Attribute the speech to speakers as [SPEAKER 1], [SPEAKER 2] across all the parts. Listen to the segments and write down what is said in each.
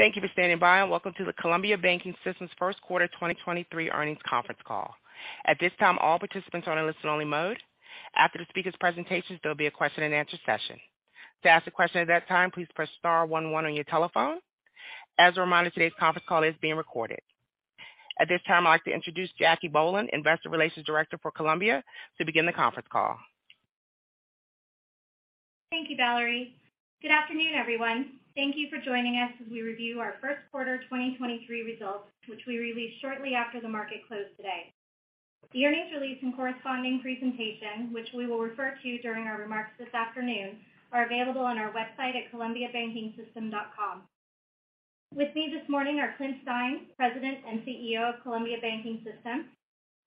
[SPEAKER 1] Thank you for standing by. Welcome to the Columbia Banking System's first quarter 2023 earnings conference call. At this time, all participants are in a listen only mode. After the speaker's presentations, there'll be a question and answer session. To ask a question at that time, please press star one one on your telephone. As a reminder, today's conference call is being recorded. At this time, I'd like to introduce Jacquelynne Bohlen, Investor Relations Director for Columbia, to begin the conference call.
[SPEAKER 2] Thank you, Valerie. Good afternoon, everyone. Thank you for joining us as we review our first quarter 2023 results, which we released shortly after the market closed today. The earnings release and corresponding presentation, which we will refer to during our remarks this afternoon, are available on our website at columbiabankingsystem.com. With me this morning are Clint Stein, President and CEO of Columbia Banking System,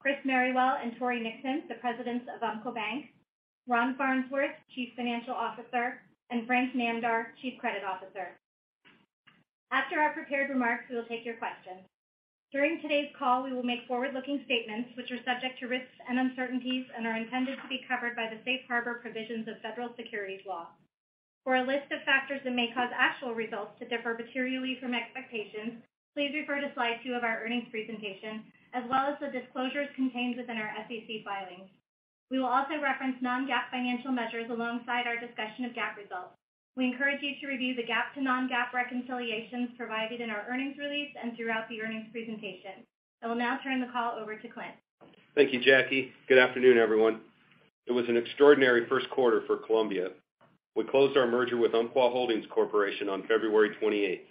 [SPEAKER 2] Chris Merrywell and Tory Nixon, the presidents of Umpqua Bank, Ron Farnsworth, Chief Financial Officer, and Frank Namdar, Chief Credit Officer. After our prepared remarks, we will take your questions. During today's call, we will make forward-looking statements which are subject to risks and uncertainties and are intended to be covered by the safe harbor provisions of federal securities law. For a list of factors that may cause actual results to differ materially from expectations, please refer to slide 2 of our earnings presentation, as well as the disclosures contained within our S.E.C. filings. We will also reference non-GAAP financial measures alongside our discussion of GAAP results. We encourage you to review the GAAP to non-GAAP reconciliations provided in our earnings release and throughout the earnings presentation. I will now turn the call over to Clint.
[SPEAKER 3] Thank you, Jackie. Good afternoon, everyone. It was an extraordinary first quarter for Columbia. We closed our merger with Umpqua Holdings Corporation on February 28th,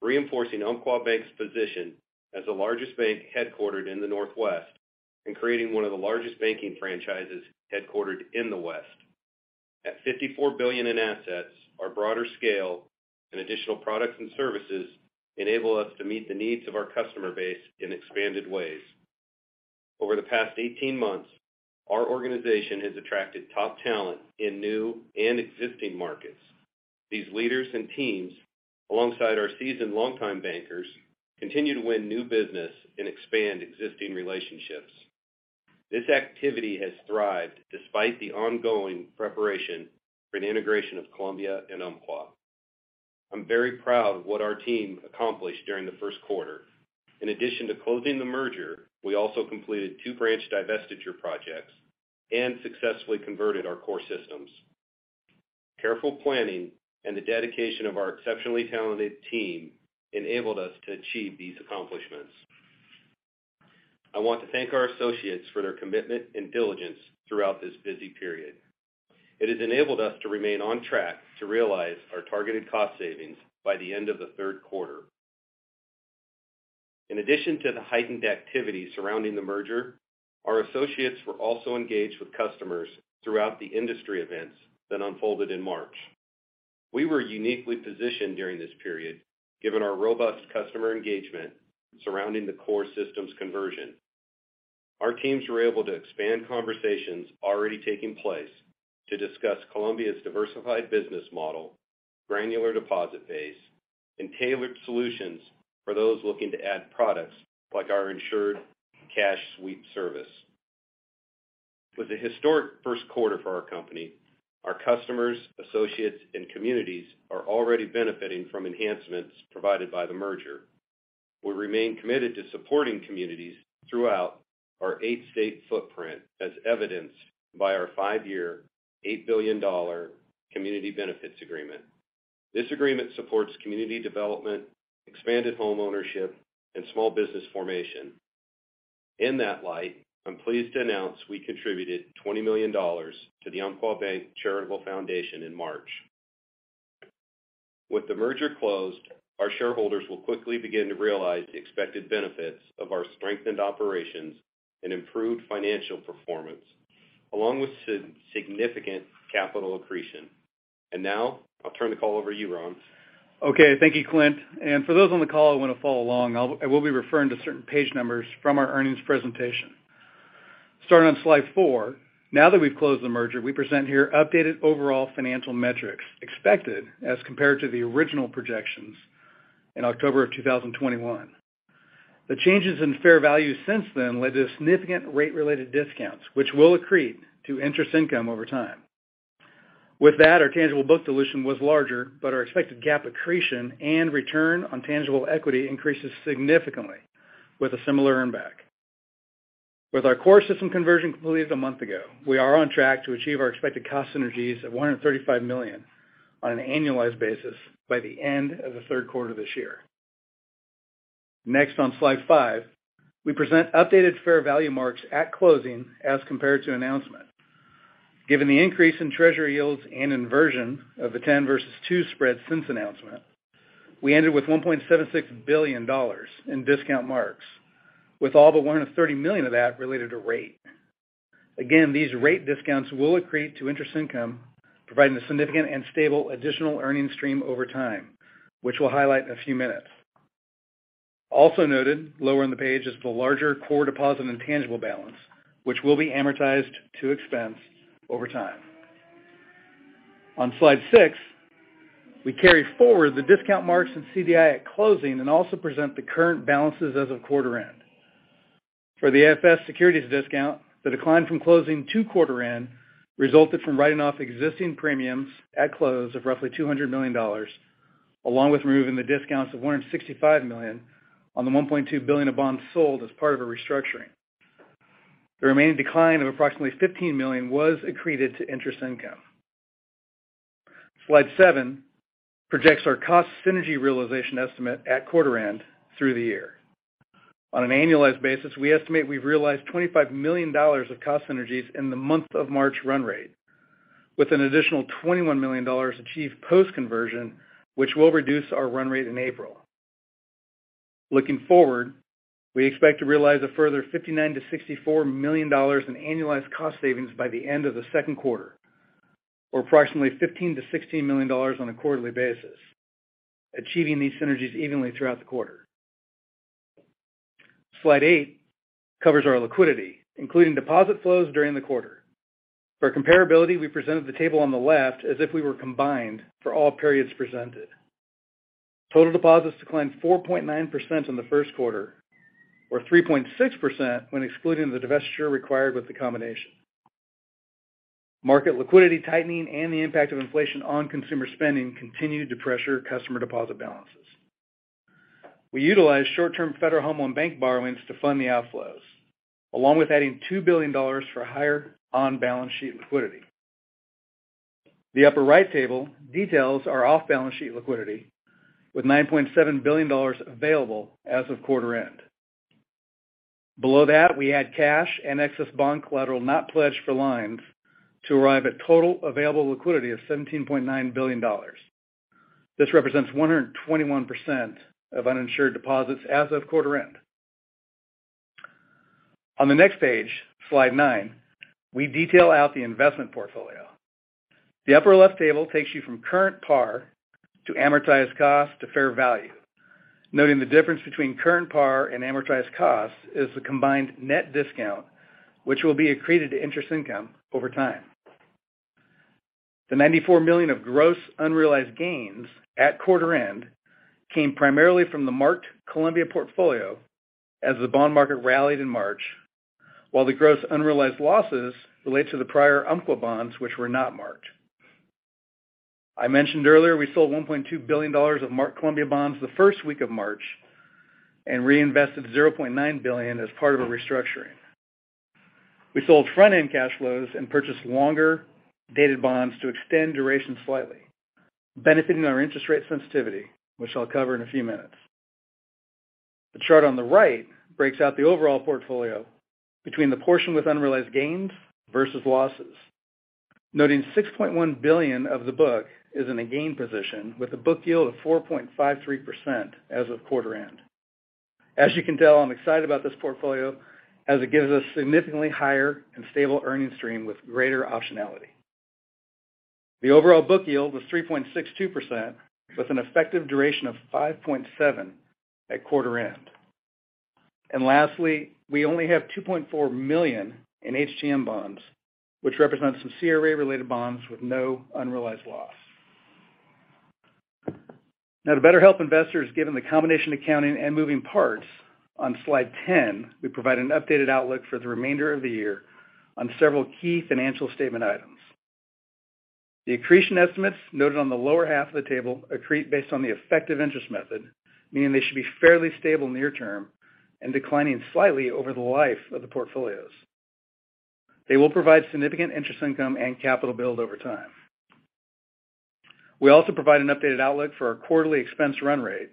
[SPEAKER 3] reinforcing Umpqua Bank's position as the largest bank headquartered in the Northwest and creating one of the largest banking franchises headquartered in the West. At $54 billion in assets, our broader scale and additional products and services enable us to meet the needs of our customer base in expanded ways. Over the past 18 months, our organization has attracted top talent in new and existing markets. These leaders and teams, alongside our seasoned longtime bankers, continue to win new business and expand existing relationships. This activity has thrived despite the ongoing preparation for an integration of Columbia and Umpqua. I'm very proud of what our team accomplished during the first quarter. In addition to closing the merger, we also completed 2 branch divestiture projects and successfully converted our core systems. Careful planning and the dedication of our exceptionally talented team enabled us to achieve these accomplishments. I want to thank our associates for their commitment and diligence throughout this busy period. It has enabled us to remain on track to realize our targeted cost savings by the end of the third quarter. In addition to the heightened activity surrounding the merger, our associates were also engaged with customers throughout the industry events that unfolded in March. We were uniquely positioned during this period, given our robust customer engagement surrounding the core systems conversion. Our teams were able to expand conversations already taking place to discuss Columbia's diversified business model, granular deposit base, and tailored solutions for those looking to add products like our Insured Cash Sweep service. With a historic first quarter for our company, our customers, associates, and communities are already benefiting from enhancements provided by the merger. We remain committed to supporting communities throughout our eight state footprint as evidenced by our five-year, $8 billion Community Benefits Agreement. This agreement supports community development, expanded homeownership, and small business formation. In that light, I'm pleased to announce we contributed $20 million to the Umpqua Bank Charitable Foundation in March. With the merger closed, our shareholders will quickly begin to realize the expected benefits of our strengthened operations and improved financial performance, along with significant capital accretion. Now I'll turn the call over to you, Ron.
[SPEAKER 4] Okay. Thank you, Clint. For those on the call who want to follow along, I will be referring to certain page numbers from our earnings presentation. Starting on slide, now that we've closed the merger, we present here updated overall financial metrics expected as compared to the original projections in October 2021. The changes in fair value since then led to significant rate-related discounts, which will accrete to interest income over time. With that, our tangible book dilution was larger, but our expected GAAP accretion and return on tangible equity increases significantly with a similar earnback. With our core system conversion completed a month ago, we are on track to achieve our expected cost synergies of $135 million on an annualized basis by the end of the third quarter this year. Next, on slide 5, we present updated fair value marks at closing as compared to announcement. Given the increase in Treasury yields and inversion of the 10 versus 2 spread since announcement, we ended with $1.76 billion in discount marks, with all but $130 million of that related to rate. Again, these rate discounts will accrete to interest income, providing a significant and stable additional earning stream over time, which we'll highlight in a few minutes. Also noted lower on the page is the larger core deposit and tangible balance, which will be amortized to expense over time. On slide six, we carry forward the discount marks in CDI at closing and also present the current balances as of quarter end. For the AFS securities discount, the decline from closing to quarter end resulted from writing off existing premiums at close of roughly $200 million, along with removing the discounts of $165 million on the $1.2 billion of bonds sold as part of a restructuring. The remaining decline of approximately $15 million was accreted to interest income. Slide 7 projects our cost synergy realization estimate at quarter end through the year. On an annualized basis, we estimate we've realized $25 million of cost synergies in the month of March run rate, with an additional $21 million achieved post-conversion, which will reduce our run rate in April. Looking forward, we expect to realize a further $59 million-$64 million in annualized cost savings by the end of the second quarter, or approximately $15 million-$16 million on a quarterly basis, achieving these synergies evenly throughout the quarter. Slide 8 covers our liquidity, including deposit flows during the quarter. For comparability, we presented the table on the left as if we were combined for all periods presented. Total deposits declined 4.9% in the first quarter, or 3.6% when excluding the divestiture required with the combination. Market liquidity tightening and the impact of inflation on consumer spending continued to pressure customer deposit balances. We utilized short-term Federal Home Loan Bank borrowings to fund the outflows, along with adding $2 billion for higher on-balance sheet liquidity. The upper right table details our off-balance sheet liquidity with $9.7 billion available as of quarter end. Below that, we add cash and excess bond collateral not pledged for lines to arrive at total available liquidity of $17.9 billion. This represents 121% of uninsured deposits as of quarter end. On the next page, slide 9, we detail out the investment portfolio. The upper left table takes you from current par to amortized cost to fair value, noting the difference between current par and amortized cost is the combined net discount, which will be accreted to interest income over time. The $94 million of gross unrealized gains at quarter end came primarily from the marked Columbia portfolio as the bond market rallied in March, while the gross unrealized losses relate to the prior Umpqua bonds which were not marked. I mentioned earlier, we sold $1.2 billion of marked Columbia bonds the 1st week of March and reinvested $0.9 billion as part of a restructuring. We sold front-end cash flows and purchased longer-dated bonds to extend duration slightly, benefiting our interest rate sensitivity, which I'll cover in a few minutes. The chart on the right breaks out the overall portfolio between the portion with unrealized gains versus losses. Noting $6.1 billion of the book is in a gain position with a book yield of 4.53% as of quarter end. As you can tell, I'm excited about this portfolio as it gives us significantly higher and stable earning stream with greater optionality. The overall book yield was 3.62% with an effective duration of 5.7 at quarter end. Lastly, we only have $2.4 million in HTM bonds, which represents some CRA-related bonds with no unrealized loss. Now, to better help investors given the combination accounting and moving parts, on slide 10, we provide an updated outlook for the remainder of the year on several key financial statement items. The accretion estimates noted on the lower half of the table accrete based on the effective interest method, meaning they should be fairly stable near term and declining slightly over the life of the portfolios. They will provide significant interest income and capital build over time. We also provide an updated outlook for our quarterly expense run rate,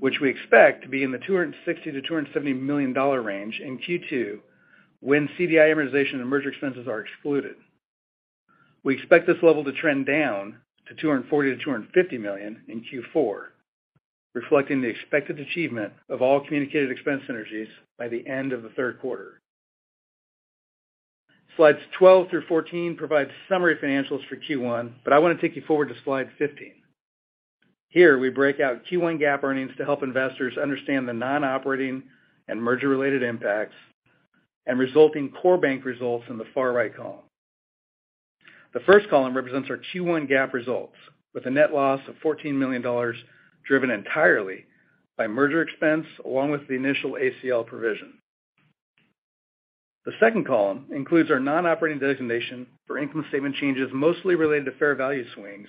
[SPEAKER 4] which we expect to be in the $260 million-$270 million range in Q2 when CDI amortization and merger expenses are excluded. We expect this level to trend down to $240 million-$250 million in Q4, reflecting the expected achievement of all communicated expense synergies by the end of the third quarter. Slides 12 - 14 provide summary financials for Q1, but I want to take you forward to slide 15. Here, we break out Q1 GAAP earnings to help investors understand the non-operating and merger related impacts and resulting core bank results in the far right column. The 1st column represents our Q1 GAAP results with a net loss of $14 million driven entirely by merger expense along with the initial ACL provision. The 2nd column includes our non-operating designation for income statement changes mostly related to fair value swings,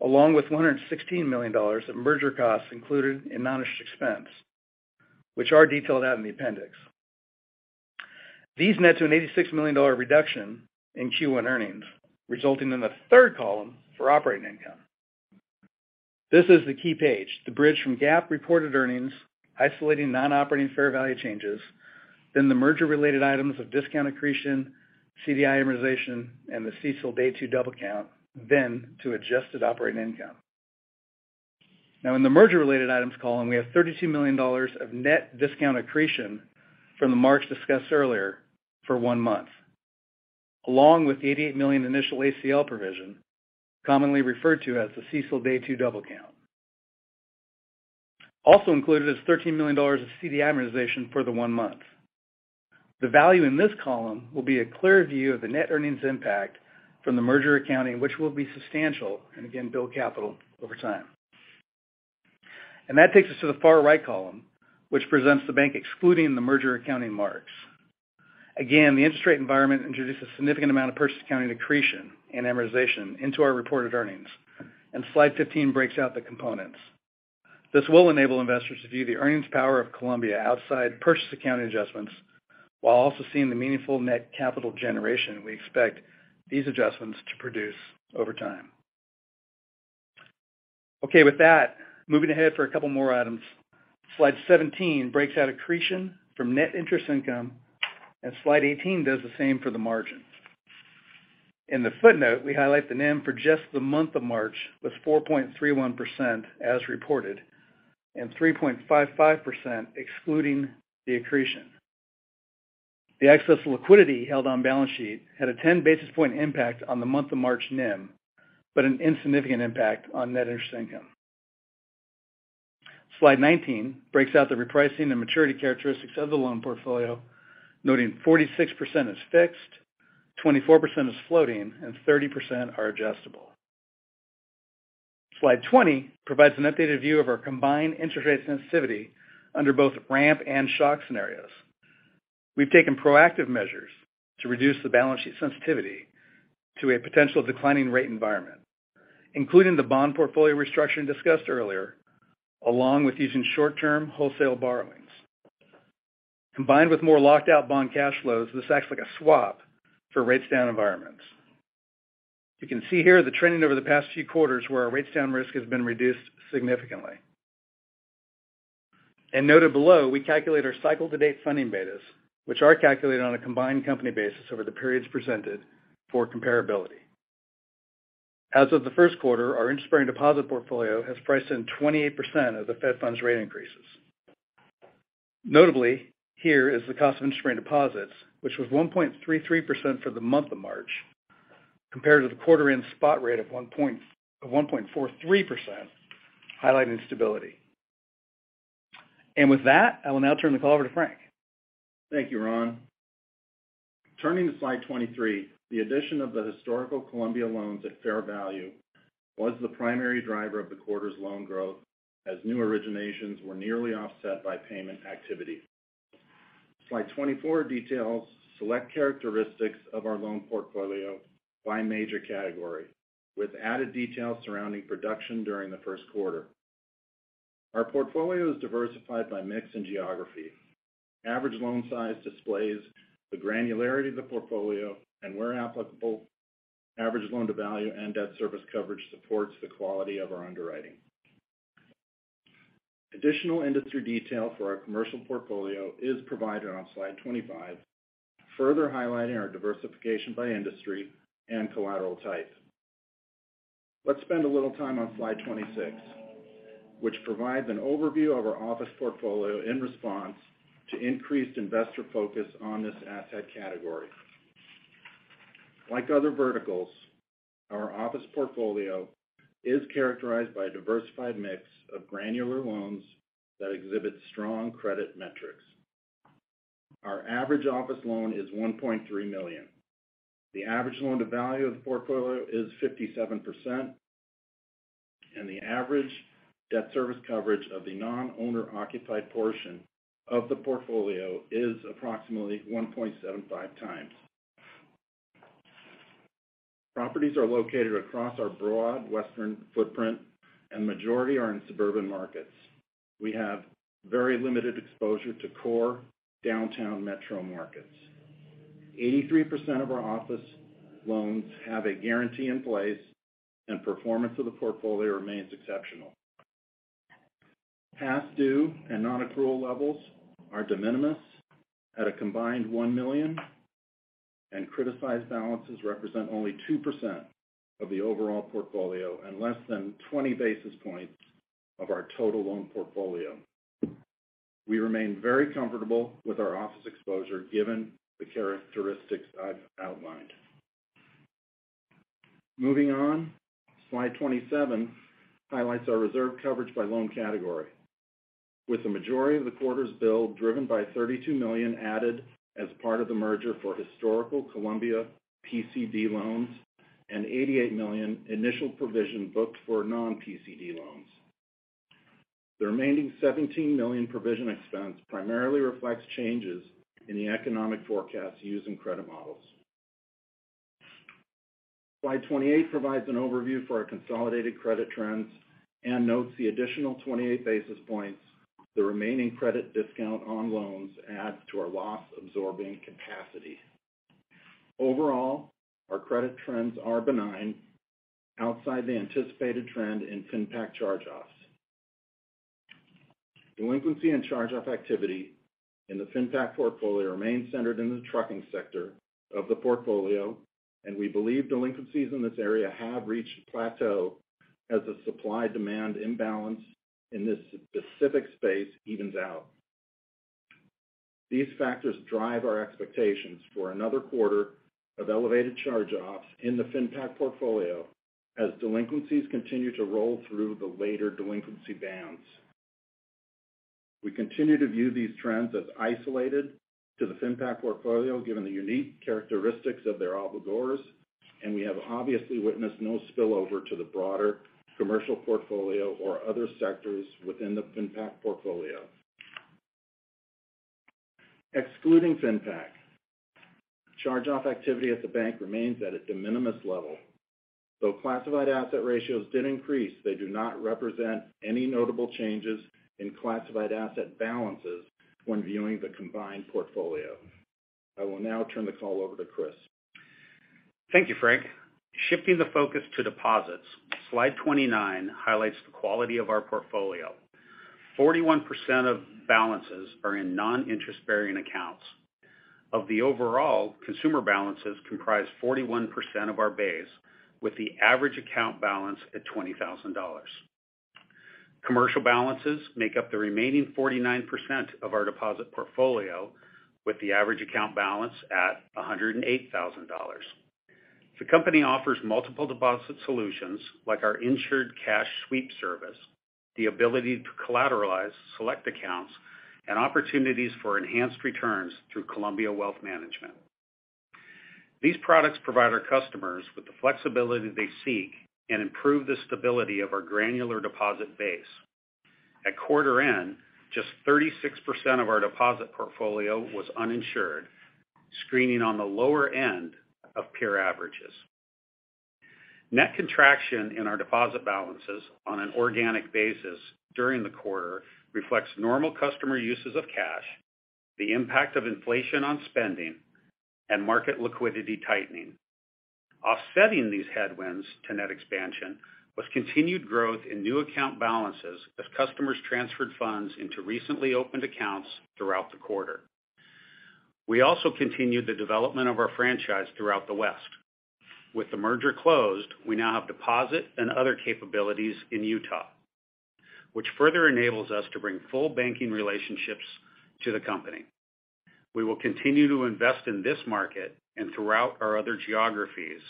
[SPEAKER 4] along with $116 million in merger costs included in non-interest expense, which are detailed out in the appendix. These net to an $86 million reduction in Q1 earnings, resulting in the 3rd column for operating income. This is the key page, the bridge from GAAP reported earnings, isolating non-operating fair value changes, then the merger related items of discount accretion, CDI amortization, and the CECL day 2 double count, then to adjusted operating income. In the merger related items column, we have $32 million of net discount accretion from the March discussed earlier for 1 month, along with the $88 million initial ACL provision, commonly referred to as the CECL Day 2 double count. Also included is $13 million of CDI amortization for the 1 month. The value in this column will be a clear view of the net earnings impact from the merger accounting, which will be substantial and again, build capital over time. That takes us to the far right column, which presents the bank excluding the merger accounting marks. Again, the interest rate environment introduces significant amount of purchase accounting accretion and amortization into our reported earnings. Slide 15 breaks out the components. This will enable investors to view the earnings power of Columbia outside purchase accounting adjustments, while also seeing the meaningful net capital generation we expect these adjustments to produce over time. Okay. With that, moving ahead for a couple more items. Slide 17 breaks out accretion from net interest income, and Slide 18 does the same for the margins. In the footnote, we highlight the NIM for just the month of March with 4.31% as reported and 3.55% excluding the accretion. The excess liquidity held on balance sheet had a 10 basis point impact on the month of March NIM, but an insignificant impact on net interest income. Slide 19 breaks out the repricing and maturity characteristics of the loan portfolio, noting 46% is fixed, 24% is floating, and 30% are adjustable. Slide 20 provides an updated view of our combined interest rate sensitivity under both ramp and shock scenarios. We've taken proactive measures to reduce the balance sheet sensitivity to a potential declining rate environment, including the bond portfolio restructure discussed earlier, along with using short-term wholesale borrowings. Combined with more locked out bond cash flows, this acts like a swap for rates down environments. You can see here the trending over the past few quarters where our rates down risk has been reduced significantly. Noted below, we calculate our cycle to date funding betas, which are calculated on a combined company basis over the periods presented for comparability. As of the first quarter, our interest-bearing deposit portfolio has priced in 28% of the Fed funds rate increases. Notably, here is the cost of interest-bearing deposits, which was 1.33% for the month of March, compared to the quarter end spot rate of 1.43%, highlighting stability. With that, I will now turn the call over to Frank.
[SPEAKER 5] Thank you, Ron. Turning to slide 23, the addition of the historical Columbia loans at fair value was the primary driver of the quarter's loan growth as new originations were nearly offset by payment activity. Slide 24 details select characteristics of our loan portfolio by major category, with added details surrounding production during the first quarter. Our portfolio is diversified by mix and geography. Average loan size displays the granularity of the portfolio and where applicable, average loan to value and debt service coverage supports the quality of our underwriting. Additional industry detail for our commercial portfolio is provided on slide 25, further highlighting our diversification by industry and collateral type. Let's spend a little time on slide 26, which provides an overview of our office portfolio in response to increased investor focus on this asset category. Like other verticals, our office portfolio is characterized by a diversified mix of granular loans that exhibit strong credit metrics. Our average office loan is $1.3 million. The average loan to value of the portfolio is 57%, and the average debt service coverage of the non-owner occupied portion of the portfolio is approximately 1.75 x. Properties are located across our broad western footprint and majority are in suburban markets. We have very limited exposure to core downtown metro markets. 83% of our office loans have a guarantee in place, and performance of the portfolio remains exceptional. Past due and non-accrual levels are de minimis at a combined $1 million, and criticized balances represent only 2% of the overall portfolio and less than 20 basis points of our total loan portfolio. We remain very comfortable with our office exposure given the characteristics I've outlined. Moving on, slide 27 highlights our reserve coverage by loan category, with the majority of the quarter's build driven by $32 million added as part of the merger for historical Columbia PCD loans and $88 million initial provision booked for non-PCD loans. The remaining $17 million provision expense primarily reflects changes in the economic forecast used in credit models. Slide 28 provides an overview for our consolidated credit trends and notes the additional 28 basis points the remaining credit discount on loans add to our loss-absorbing capacity. Overall, our credit trends are benign outside the anticipated trend in fintech charge-offs. Delinquency and charge-off activity in the fintech portfolio remain centered in the trucking sector of the portfolio. We believe delinquencies in this area have reached a plateau as the supply-demand imbalance in this specific space evens out. These factors drive our expectations for another quarter of elevated charge-offs in the fintech portfolio as delinquencies continue to roll through the later delinquency bands. We continue to view these trends as isolated to the FinPac portfolio, given the unique characteristics of their obligors. We have obviously witnessed no spillover to the broader commercial portfolio or other sectors within the FinPac portfolio. Excluding FinPac, charge-off activity at the bank remains at a de minimis level. Though classified asset ratios did increase, they do not represent any notable changes in classified asset balances when viewing the combined portfolio. I will now turn the call over to Chris.
[SPEAKER 6] Thank you, Frank. Shifting the focus to deposits, slide 29 highlights the quality of our portfolio. 41% of balances are in non-interest bearing accounts. Of the overall, consumer balances comprise 41% of our base, with the average account balance at $20,000. Commercial balances make up the remaining 49% of our deposit portfolio, with the average account balance at $108,000. The company offers multiple deposit solutions, like our Insured Cash Sweep service, the ability to collateralize select accounts and opportunities for enhanced returns through Columbia Wealth Management. These products provide our customers with the flexibility they seek and improve the stability of our granular deposit base. At quarter end, just 36% of our deposit portfolio was uninsured, screening on the lower end of peer averages. Net contraction in our deposit balances on an organic basis during the quarter reflects normal customer uses of cash, the impact of inflation on spending and market liquidity tightening. Offsetting these headwinds to net expansion was continued growth in new account balances as customers transferred funds into recently opened accounts throughout the quarter. We also continued the development of our franchise throughout the West. With the merger closed, we now have deposit and other capabilities in Utah, which further enables us to bring full banking relationships to the company. We will continue to invest in this market and throughout our other geographies.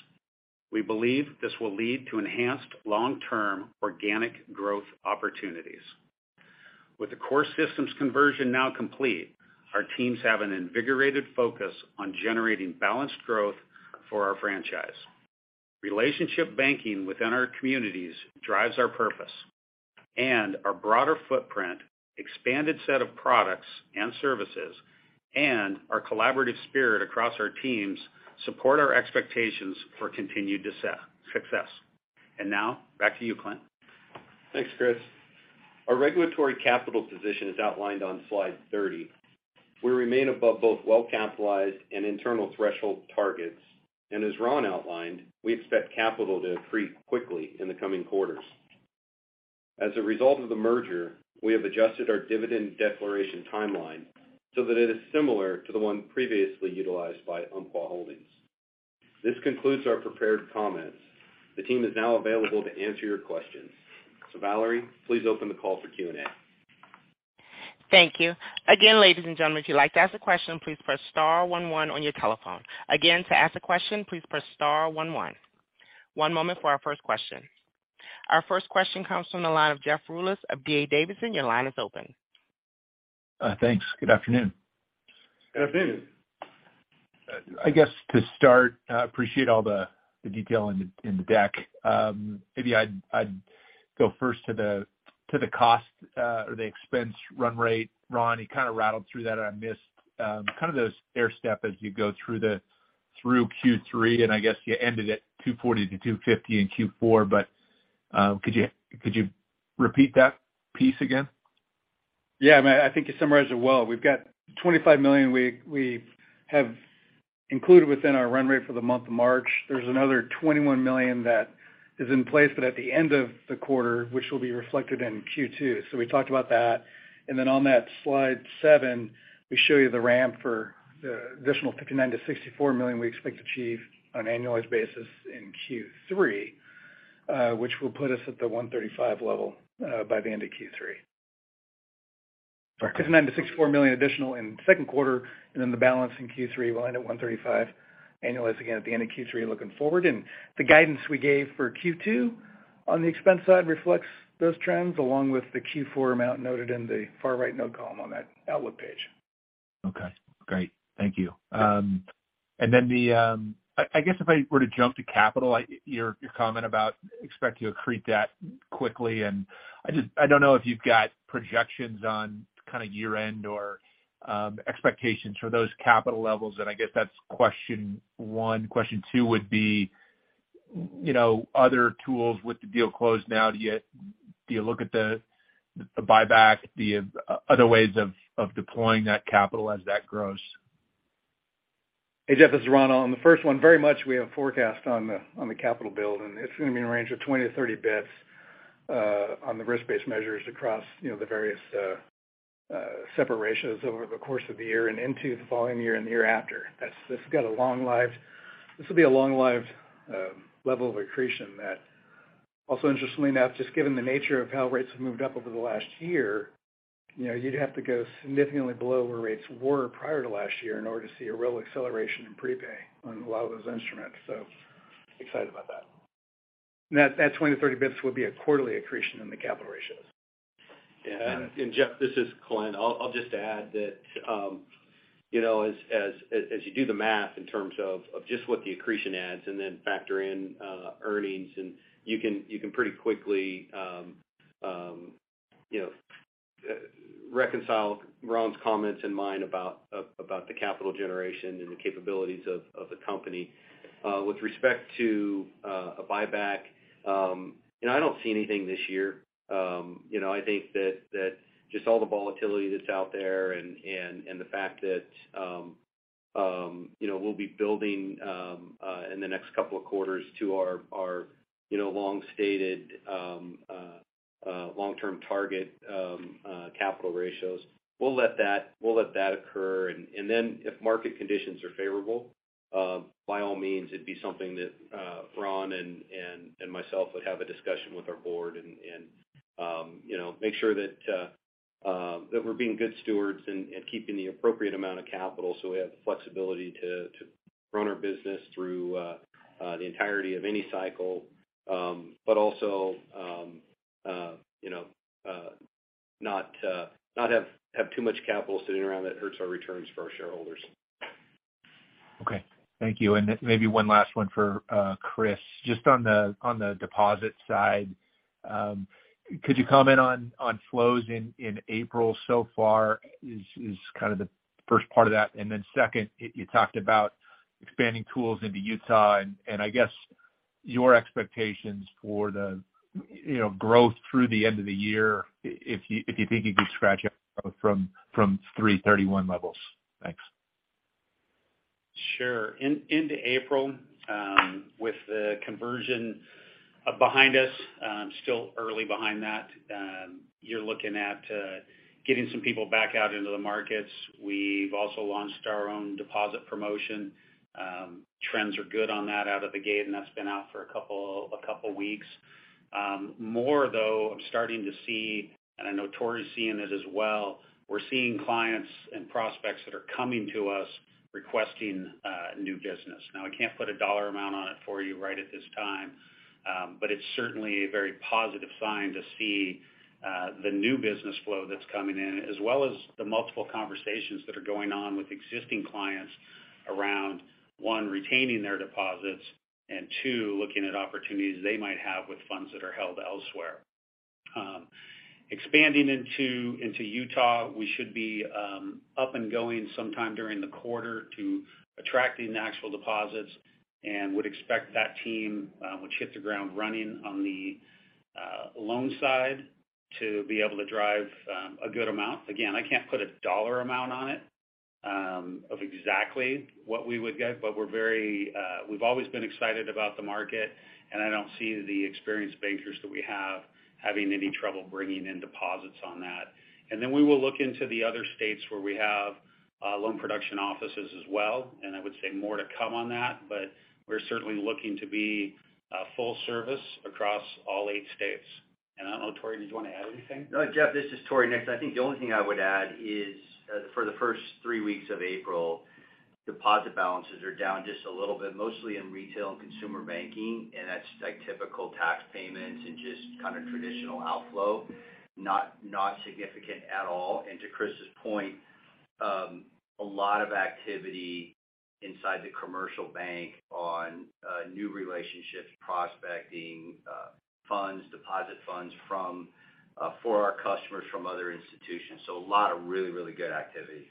[SPEAKER 6] We believe this will lead to enhanced long-term organic growth opportunities. With the core systems conversion now complete, our teams have an invigorated focus on generating balanced growth for our franchise. Relationship banking within our communities drives our purpose. Our broader footprint, expanded set of products and services, and our collaborative spirit across our teams support our expectations for continued success. Now back to you, Clint.
[SPEAKER 3] Thanks, Chris. Our regulatory capital position is outlined on slide 30. We remain above both well-capitalized and internal threshold targets. As Ron outlined, we expect capital to accrete quickly in the coming quarters. As a result of the merger, we have adjusted our dividend declaration timeline so that it is similar to the one previously utilized by Umpqua Holdings. This concludes our prepared comments. The team is now available to answer your questions. Valerie, please open the call for Q&A.
[SPEAKER 1] Thank you. Again, ladies and gentlemen, if you'd like to ask a question, please press star one one on your telephone. Again, to ask a question, please press star one one. One moment for our first question. Our first question comes from the line of Jeff Rulis of D.A. Davidson. Your line is open.
[SPEAKER 7] Thanks. Good afternoon.
[SPEAKER 5] Good afternoon.
[SPEAKER 7] I guess to start, I appreciate all the detail in the, in the deck. Maybe I'd go first to the cost or the expense run rate. Ron, you kind of rattled through that, and I missed kind of the stairstep as you go through the through Q3, and I guess you ended at $240-$250 in Q4. Could you repeat that piece again?
[SPEAKER 4] Yeah. I mean, I think you summarized it well. We've got $25 million we have included within our run rate for the month of March. There's another $21 million that is in place, but at the end of the quarter, which will be reflected in Q2. We talked about that. On that slide 7, we show you the ramp for the additional $59 million-$64 million we expect to achieve on an annualized basis in Q3, which will put us at the 135 level by the end of Q3.
[SPEAKER 7] Perfect.
[SPEAKER 4] $59 million-$64 million additional in the second quarter, the balance in Q3 will end at 135 annualized again at the end of Q3 looking forward. The guidance we gave for Q2 on the expense side reflects those trends, along with the Q4 amount noted in the far right note column on that outlook page.
[SPEAKER 7] Okay, great. Thank you. I guess if I were to jump to capital, your comment about expect to accrete that quickly. I just, I don't know if you've got projections on kind of year-end or expectations for those capital levels. I guess that's question 1. Question 2 would be, you know, other tools with the deal closed now, do you look at the buyback, the other ways of deploying that capital as that grows?
[SPEAKER 4] Hey, Jeff, this is Ron. On the 1st one, very much we have forecast on the capital build, and it's gonna be in a range of 20 - 30 basis points on the risk-based measures across, you know, the various separations over the course of the year and into the following year and the year after. That's. This has got a long life. This will be a long-lived level of accretion that also interestingly enough, just given the nature of how rates have moved up over the last year, you know, you'd have to go significantly below where rates were prior to last year in order to see a real acceleration in prepay on a lot of those instruments. Excited about that.
[SPEAKER 7] That 20-30 basis will be a quarterly accretion in the capital ratios.
[SPEAKER 3] Yeah. Jeff, this is Clint. I'll just add that, you know, as you do the math in terms of just what the accretion adds and then factor in earnings and you can pretty quickly, you know, reconcile Ron's comments and mine about the capital generation and the capabilities of the company. With respect to a buyback, you know, I don't see anything this year. You know, I think that just all the volatility that's out there and the fact that, you know, we'll be building in the next couple of quarters to our, you know, long-stated long-term target capital ratios. We'll let that occur. If market conditions are favorable, by all means, it'd be something that Ron and myself would have a discussion with our board and, you know, make sure that we're being good stewards and keeping the appropriate amount of capital so we have the flexibility to run our business through the entirety of any cycle. You know, not have too much capital sitting around that hurts our returns for our shareholders.
[SPEAKER 7] Okay. Thank you. Maybe one last one for Chris. Just on the deposit side, could you comment on flows in April so far is kind of the 1st part of that? 2nd, you talked about expanding tools into Utah and I guess your expectations for the, you know, growth through the end of the year if you think you could scratch out from 3/31 levels? Thanks.
[SPEAKER 3] Sure. Into April, with the conversion behind us, still early behind that, you're looking at getting some people back out into the markets. We've also launched our own deposit promotion. Trends are good on that out of the gate, and that's been out for a couple weeks. More though, I'm starting to see, and I know Tory's seeing it as well, we're seeing clients and prospects that are coming to us requesting new business. Now, I can't put a dollar amount on it for you right at this time, but it's certainly a very positive sign to see the new business flow that's coming in, as well as the multiple conversations that are going on with existing clients around, 1, retaining their deposits, and 2, looking at opportunities they might have with funds that are held elsewhere. Expanding into Utah, we should be up and going sometime during the quarter to attracting the actual deposits and would expect that team, which hit the ground running on the loan side to be able to drive a good amount. Again, I can't put a dollar amount on it of exactly what we would get, but we're very, we've always been excited about the market, and I don't see the experienced bankers that we have having any trouble bringing in deposits on that. Then we will look into the other states where we have loan production offices as well, and I would say more to come on that. We're certainly looking to be full service across all eight states. I don't know, Tory, did you want to add anything?
[SPEAKER 8] No, Jeff, this is Tory Nixon. I think the only thing I would add is, for the 1ST 3 weeks of April, deposit balances are down just a little bit, mostly in retail and consumer banking, and that's like typical tax payments and just kind of traditional outflow. Not significant at all. To Chris Merrywell's point, a lot of activity inside the commercial bank on new relationships, prospecting, funds, deposit funds from for our customers from other institutions. A lot of really, really good activity.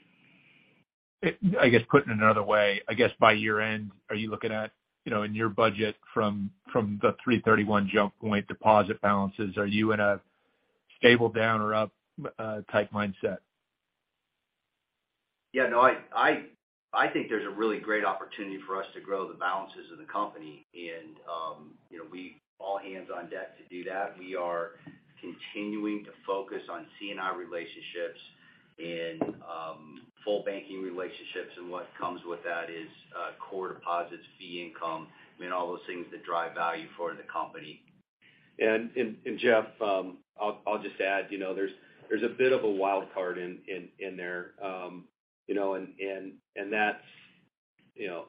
[SPEAKER 7] I guess putting it another way, I guess by year-end, are you looking at, you know, in your budget from the 3/31 jump point deposit balances, are you in a stable down or up type mindset?
[SPEAKER 8] Yeah, no, I think there's a really great opportunity for us to grow the balances of the company. you know, we all hands on deck to do that. We are continuing to focus on C&I relationships and full banking relationships and what comes with that is core deposits, fee income, I mean, all those things that drive value for the company.
[SPEAKER 3] Jeff, I'll just add, you know, there's a bit of a wild card in there. You know, and that's, you know.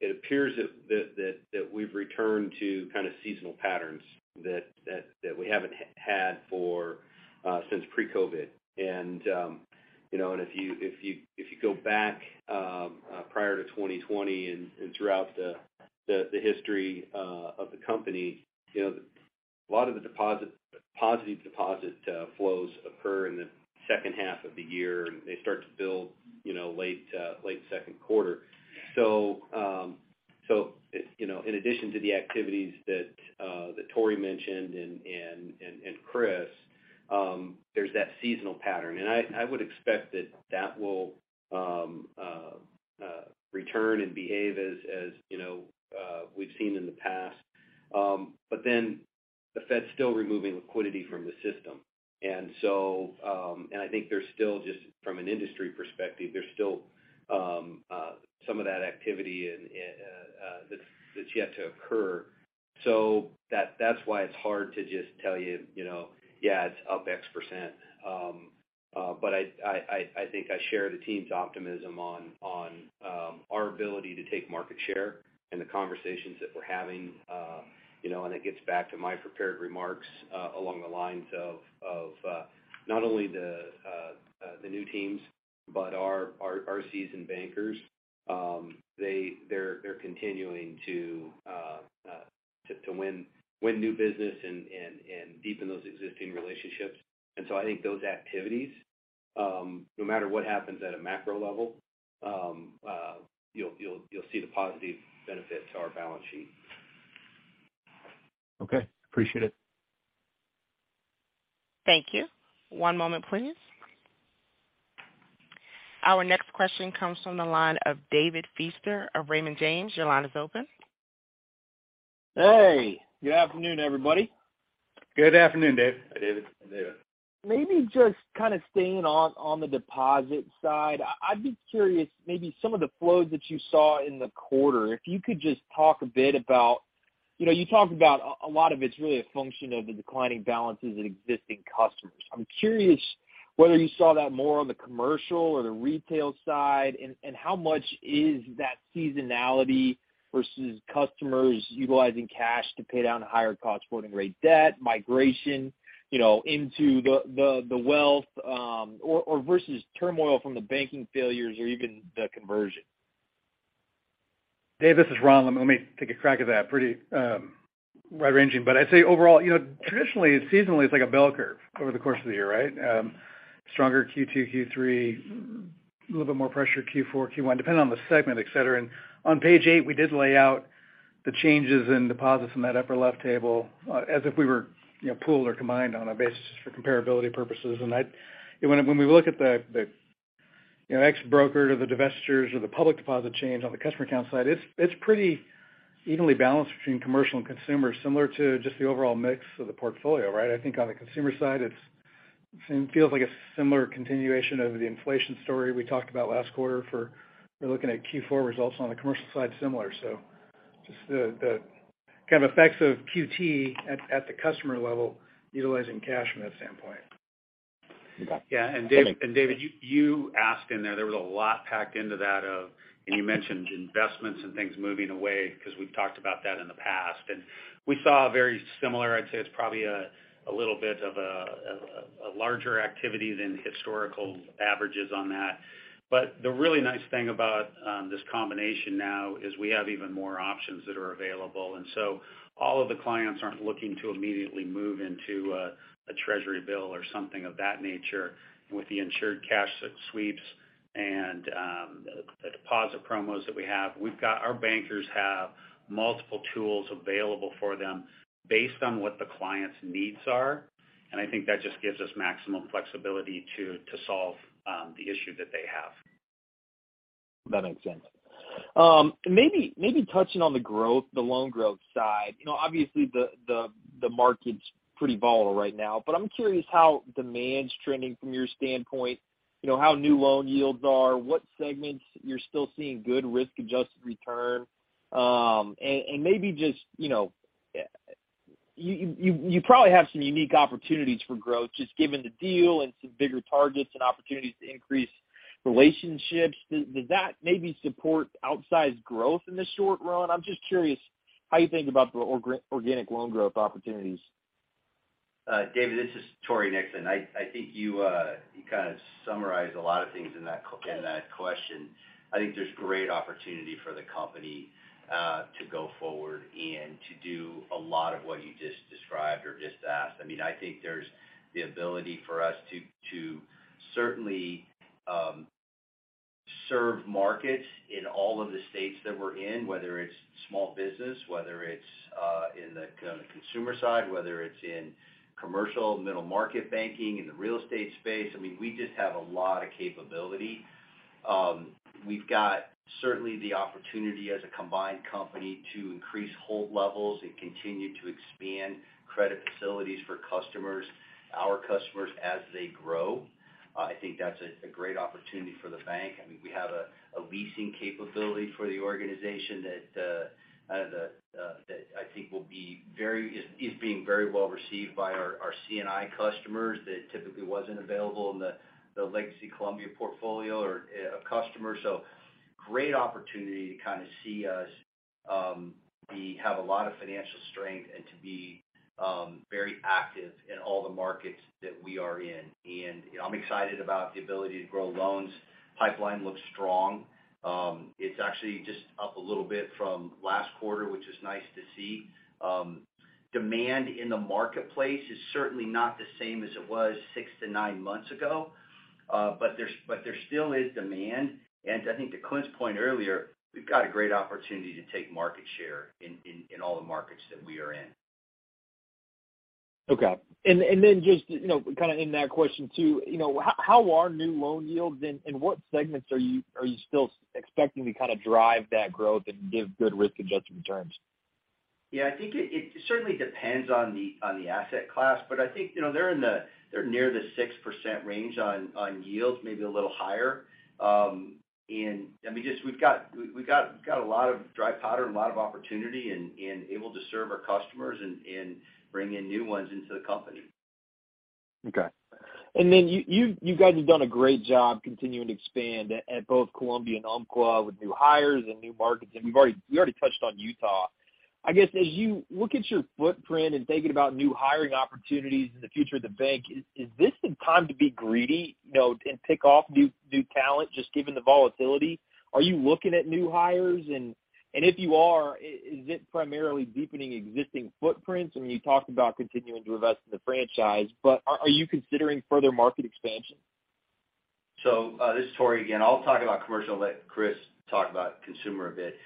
[SPEAKER 3] It appears that we've returned to kind of seasonal patterns that we haven't had for since pre-COVID. You know, if you go back prior to 2020 and throughout the history of the company, you know, a lot of the deposit positive deposit flows occur in the second half of the year, and they start to build, you know, late second quarter. You know, in addition to the activities that Tory mentioned and Chris, there's that seasonal pattern. I would expect that that will return and behave as, you know, we've seen in the past. The Fed's still removing liquidity from the system. And I think there's still just from an industry perspective, there's still some of that activity and that's yet to occur. That's why it's hard to just tell you know, yeah, it's up X%. But I think I share the team's optimism on our ability to take market share and the conversations that we're having. You know, it gets back to my prepared remarks along the lines of not only the new teams, but our seasoned bankers. They're continuing to win new business and deepen those existing relationships. I think those activities, no matter what happens at a macro level, you'll see the positive benefit to our balance sheet.
[SPEAKER 7] Okay. Appreciate it.
[SPEAKER 1] Thank you. One moment, please. Our next question comes from the line of David Feaster of Raymond James. Your line is open.
[SPEAKER 9] Hey, good afternoon, everybody.
[SPEAKER 8] Good afternoon, Dave.
[SPEAKER 3] Hi, David.
[SPEAKER 9] Maybe just kind of staying on the deposit side. I'd be curious, maybe some of the flows that you saw in the quarter, if you could just talk a bit about. You know, you talked about a lot of it's really a function of the declining balances of existing customers. I'm curious whether you saw that more on the commercial or the retail side, and how much is that seasonality versus customers utilizing cash to pay down higher cost funding rate debt, migration, you know, into the wealth, or versus turmoil from the banking failures or even the conversion?
[SPEAKER 4] Dave, this is Ron. Let me take a crack at that. Pretty wide-ranging. I'd say overall, you know, traditionally, seasonally, it's like a bell curve over the course of the year, right? Stronger Q2, Q3, a little bit more pressure Q4, Q1, depending on the segment, et cetera. On page 8, we did lay out the changes in deposits in that upper left table as if we were, you know, pooled or combined on a basis for comparability purposes. When we look at the, you know, ex broker or the divestitures or the public deposit change on the customer account side, it's pretty evenly balanced between commercial and consumer, similar to just the overall mix of the portfolio, right? I think on the consumer side, it's, it feels like a similar continuation of the inflation story we talked about last quarter for looking at Q4 results on the commercial side similar. Just the kind of effects of QT at the customer level utilizing cash from that standpoint.
[SPEAKER 9] Okay.
[SPEAKER 3] Yeah. David, you asked in there was a lot packed into that of. You mentioned investments and things moving away because we've talked about that in the past. We saw a very similar, I'd say it's probably a little bit of a larger activity than historical averages on that. The really nice thing about this combination now is we have even more options that are available. All of the clients aren't looking to immediately move into a treasury bill or something of that nature with the Insured Cash Sweeps and the deposit promos that we have. Our bankers have multiple tools available for them based on what the client's needs are, and I think that just gives us maximum flexibility to solve the issue that they have. That makes sense.
[SPEAKER 9] Maybe touching on the growth, the loan growth side. You know, obviously, the market's pretty volatile right now. I'm curious how demand's trending from your standpoint, you know, how new loan yields are, what segments you're still seeing good risk-adjusted return. and maybe just, you know, you probably have some unique opportunities for growth just given the deal and some bigger targets and opportunities to increase relationships. Does that maybe support outsized growth in the short run? I'm just curious how you think about the organic loan growth opportunities.
[SPEAKER 8] David, this is Tory Nixon. I think you kind of summarized a lot of things in that question. I think there's great opportunity for the company to go forward and to do a lot of what you just described or just asked. I mean, I think there's the ability for us to certainly serve markets in all of the states that we're in, whether it's small business, whether it's in the consumer side, whether it's in commercial, middle market banking, in the real estate space. I mean, we just have a lot of capability. We've got certainly the opportunity as a combined company to increase hold levels and continue to expand credit facilities for our customers as they grow. I think that's a great opportunity for the bank. I mean, we have a leasing capability for the organization that I think is being very well received by our C&I customers that typically wasn't available in the legacy Columbia portfolio or customer. Great opportunity to kind of see us have a lot of financial strength and to be very active in all the markets that we are in. I'm excited about the ability to grow loans. Pipeline looks strong. It's actually just up a little bit from last quarter, which is nice to see. Demand in the marketplace is certainly not the same as it was six to nine months ago. There still is demand. I think to Clint's point earlier, we've got a great opportunity to take market share in all the markets that we are in.
[SPEAKER 9] Okay. Then just, you know, kind of in that question too, you know, how are new loan yields and, what segments are you still expecting to kind of drive that growth and give good risk-adjusted returns?
[SPEAKER 8] Yeah, I think it certainly depends on the asset class. I think, you know, they're near the 6% range on yields, maybe a little higher. I mean, just we've got a lot of dry powder and a lot of opportunity and able to serve our customers and bring in new ones into the company.
[SPEAKER 9] Okay. Then you guys have done a great job continuing to expand at both Columbia and Umpqua with new hires and new markets. We already touched on Utah. I guess, as you look at your footprint and thinking about new hiring opportunities in the future of the bank, is this the time to be greedy, you know, and pick off new talent just given the volatility? Are you looking at new hires? If you are, is it primarily deepening existing footprints? I mean, you talked about continuing to invest in the franchise, but are you considering further market expansion?
[SPEAKER 8] This is Tory again. I'll talk about commercial, let Chris talk about consumer a bit.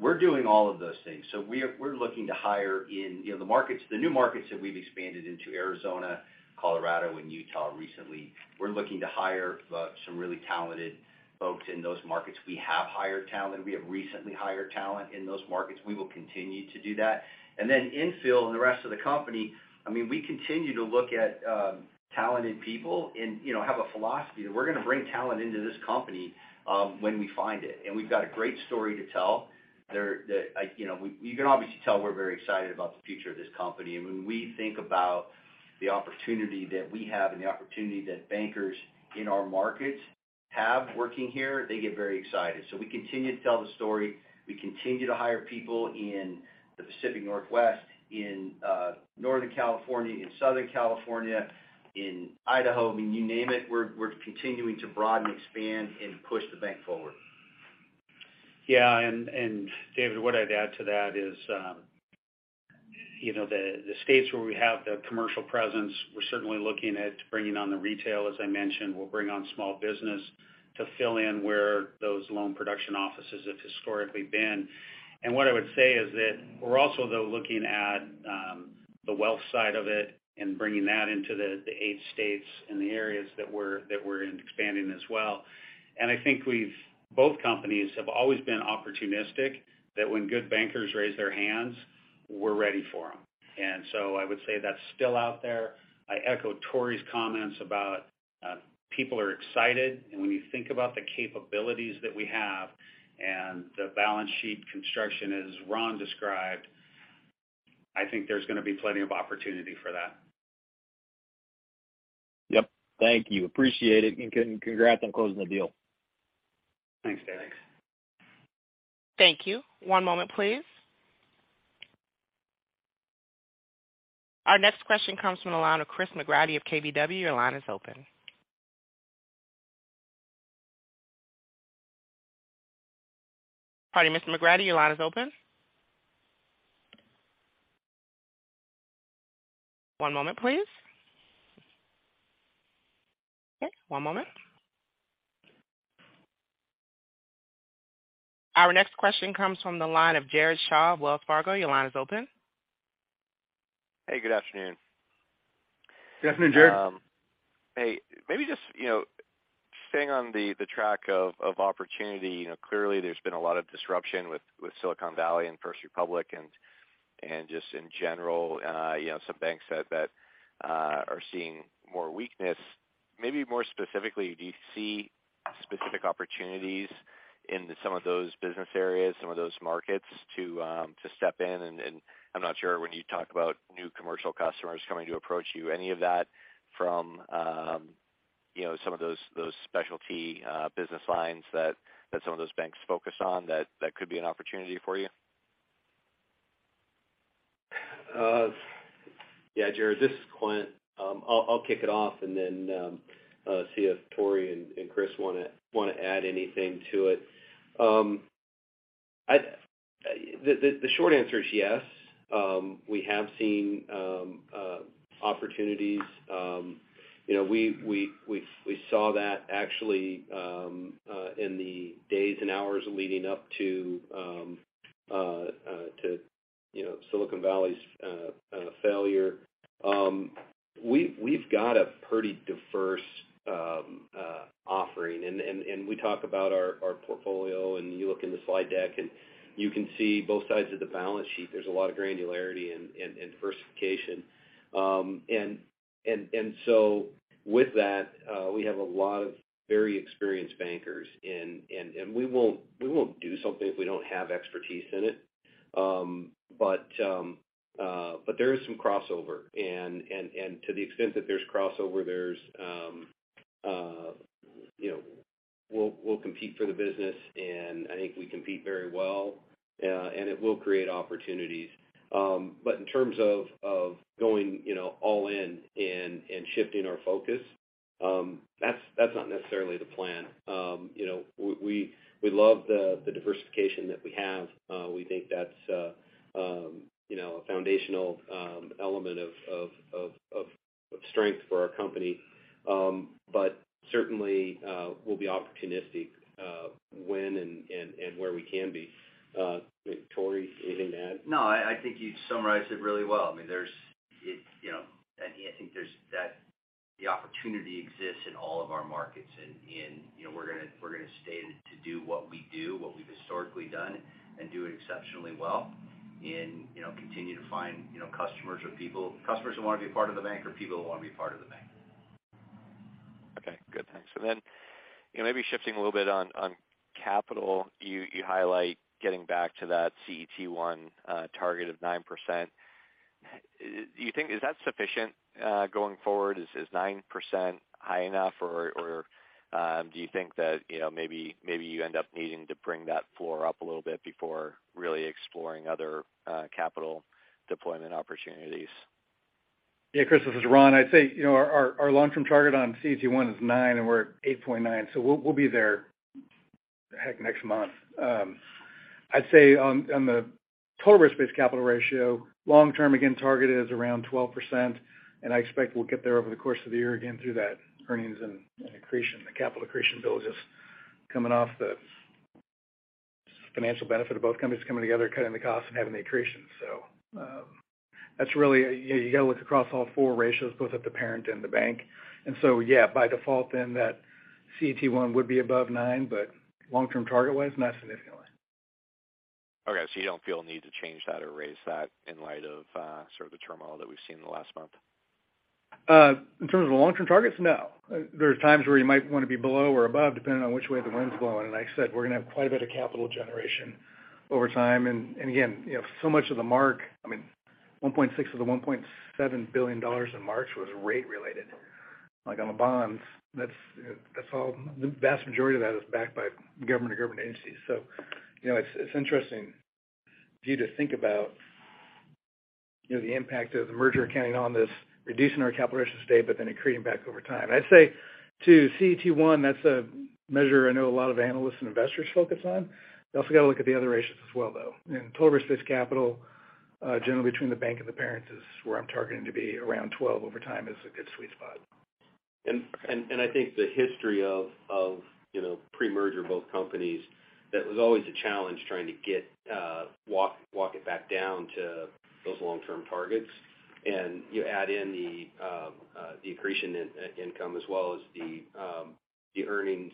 [SPEAKER 8] We're doing all of those things. We're looking to hire in, you know, the markets, the new markets that we've expanded into Arizona, Colorado, and Utah recently. We're looking to hire some really talented folks in those markets. We have hired talent. We have recently hired talent in those markets. We will continue to do that. Infill in the rest of the company, I mean, we continue to look at talented people and, you know, have a philosophy that we're gonna bring talent into this company when we find it. We've got a great story to tell. That, like, you know, you can obviously tell we're very excited about the future of this company. When we think about the opportunity that we have and the opportunity that bankers in our markets have working here, they get very excited. We continue to tell the story. We continue to hire people in the Pacific Northwest, in Northern California, in Southern California, in Idaho. I mean, you name it, we're continuing to broaden, expand, and push the bank forward.
[SPEAKER 3] Yeah. David, what I'd add to that is, you know, the states where we have the commercial presence, we're certainly looking at bringing on the retail, as I mentioned. We'll bring on small business to fill in where those loan production offices have historically been. What I would say is that we're also, though, looking at the wealth side of it and bringing that into the eight states and the areas that we're, that we're expanding as well. I think we've both companies have always been opportunistic, that when good bankers raise their hands, we're ready for them. I would say that's still out there. I echo Tory's comments about people are excited. When you think about the capabilities that we have and the balance sheet construction, as Ron described, I think there's gonna be plenty of opportunity for that.
[SPEAKER 9] Yep. Thank you. Appreciate it. Congrats on closing the deal.
[SPEAKER 3] Thanks, David.
[SPEAKER 1] Thank you. One moment, please. Our next question comes from the line of Christopher McGratty of KBW. Your line is open. Pardon, Mr. McGratty, your line is open. One moment, please. Okay, one moment. Our next question comes from the line of Jared Shaw of Wells Fargo. Your line is open.
[SPEAKER 10] Hey, good afternoon.
[SPEAKER 3] Good afternoon, Jared.
[SPEAKER 10] Hey, maybe just, you know, staying on the track of opportunity. You know, clearly there's been a lot of disruption with Silicon Valley and First Republic, and just in general, you know, some banks that are seeing more weakness. Maybe more specifically, do you see specific opportunities in some of those business areas, some of those markets to step in? I'm not sure when you talk about new commercial customers coming to approach you, any of that from, you know, some of those specialty business lines that some of those banks focus on that could be an opportunity for you?
[SPEAKER 3] Yeah, Jared, this is Clint. I'll kick it off and then see if Tory and Chris wanna add anything to it. The short answer is yes. We have seen opportunities. You know, we saw that actually in the days and hours leading up to, you know, Silicon Valley's failure. We've got a pretty diverse offering. We talk about our portfolio, and you look in the slide deck and you can see both sides of the balance sheet. There's a lot of granularity and diversification. With that, we have a lot of very experienced bankers. We won't do something if we don't have expertise in it. There is some crossover. To the extent that there's crossover, there's, you know, we'll compete for the business, and I think we compete very well, and it will create opportunities. In terms of going, you know, all in and shifting our focus, that's not necessarily the plan. You know, we love the diversification that we have. We think that's, you know, a foundational element of strength for our company. Certainly, we'll be opportunistic when and where we can be. Tory, anything to add?
[SPEAKER 8] No, I think you summarized it really well. I mean, there's, you know, I think the opportunity exists in all of our markets and, you know, we're gonna stay to do what we do, what we've historically done, and do it exceptionally well. In, you know, continue to find, you know, customers or people, customers who want to be a part of the bank or people who want to be a part of the bank.
[SPEAKER 10] Okay. Good. Thanks. You know, maybe shifting a little bit on capital, you highlight getting back to that CET1 target of 9%. Is that sufficient going forward? Is 9% high enough or, do you think that, you know, maybe you end up needing to bring that floor up a little bit before really exploring other capital deployment opportunities?
[SPEAKER 4] Yeah, Chris, this is Ron. I'd say, you know, our long-term target on CET1 is 9, and we're at 8.9. We'll be there, heck, next month. I'd say on the total risk-based capital ratio, long term, again, target is around 12%, and I expect we'll get there over the course of the year again through that earnings and accretion, the capital accretion bill just coming off the financial benefit of both companies coming together, cutting the costs and having the accretion. That's really, you got to look across all 4 ratios, both at the parent and the bank. Yeah, by default then that CET1 would be above 9, but long-term target-wise, not significantly.
[SPEAKER 10] Okay. You don't feel a need to change that or raise that in light of, sort of the turmoil that we've seen in the last month?
[SPEAKER 4] In terms of the long-term targets, no. There are times where you might want to be below or above, depending on which way the wind's blowing. I said we're going to have quite a bit of capital generation over time. Again, you know, so much of the mark, I mean, $1.6 billion of the $1.7 billion in March was rate related, like on the bonds. That's all the vast majority of that is backed by government or government agencies. You know, it's interesting for you to think about, you know, the impact of the merger accounting on this, reducing our capital ratio state, but then accreting back over time. I'd say to CET1, that's a measure I know a lot of analysts and investors focus on. You also got to look at the other ratios as well, though. Total risk-based capital, generally between the bank and the parents is where I'm targeting to be around 12% over time is a good sweet spot.
[SPEAKER 3] I think the history of, you know, pre-merger both companies, that was always a challenge trying to get it back down to those long-term targets. You add in the accretion in-income as well as the earnings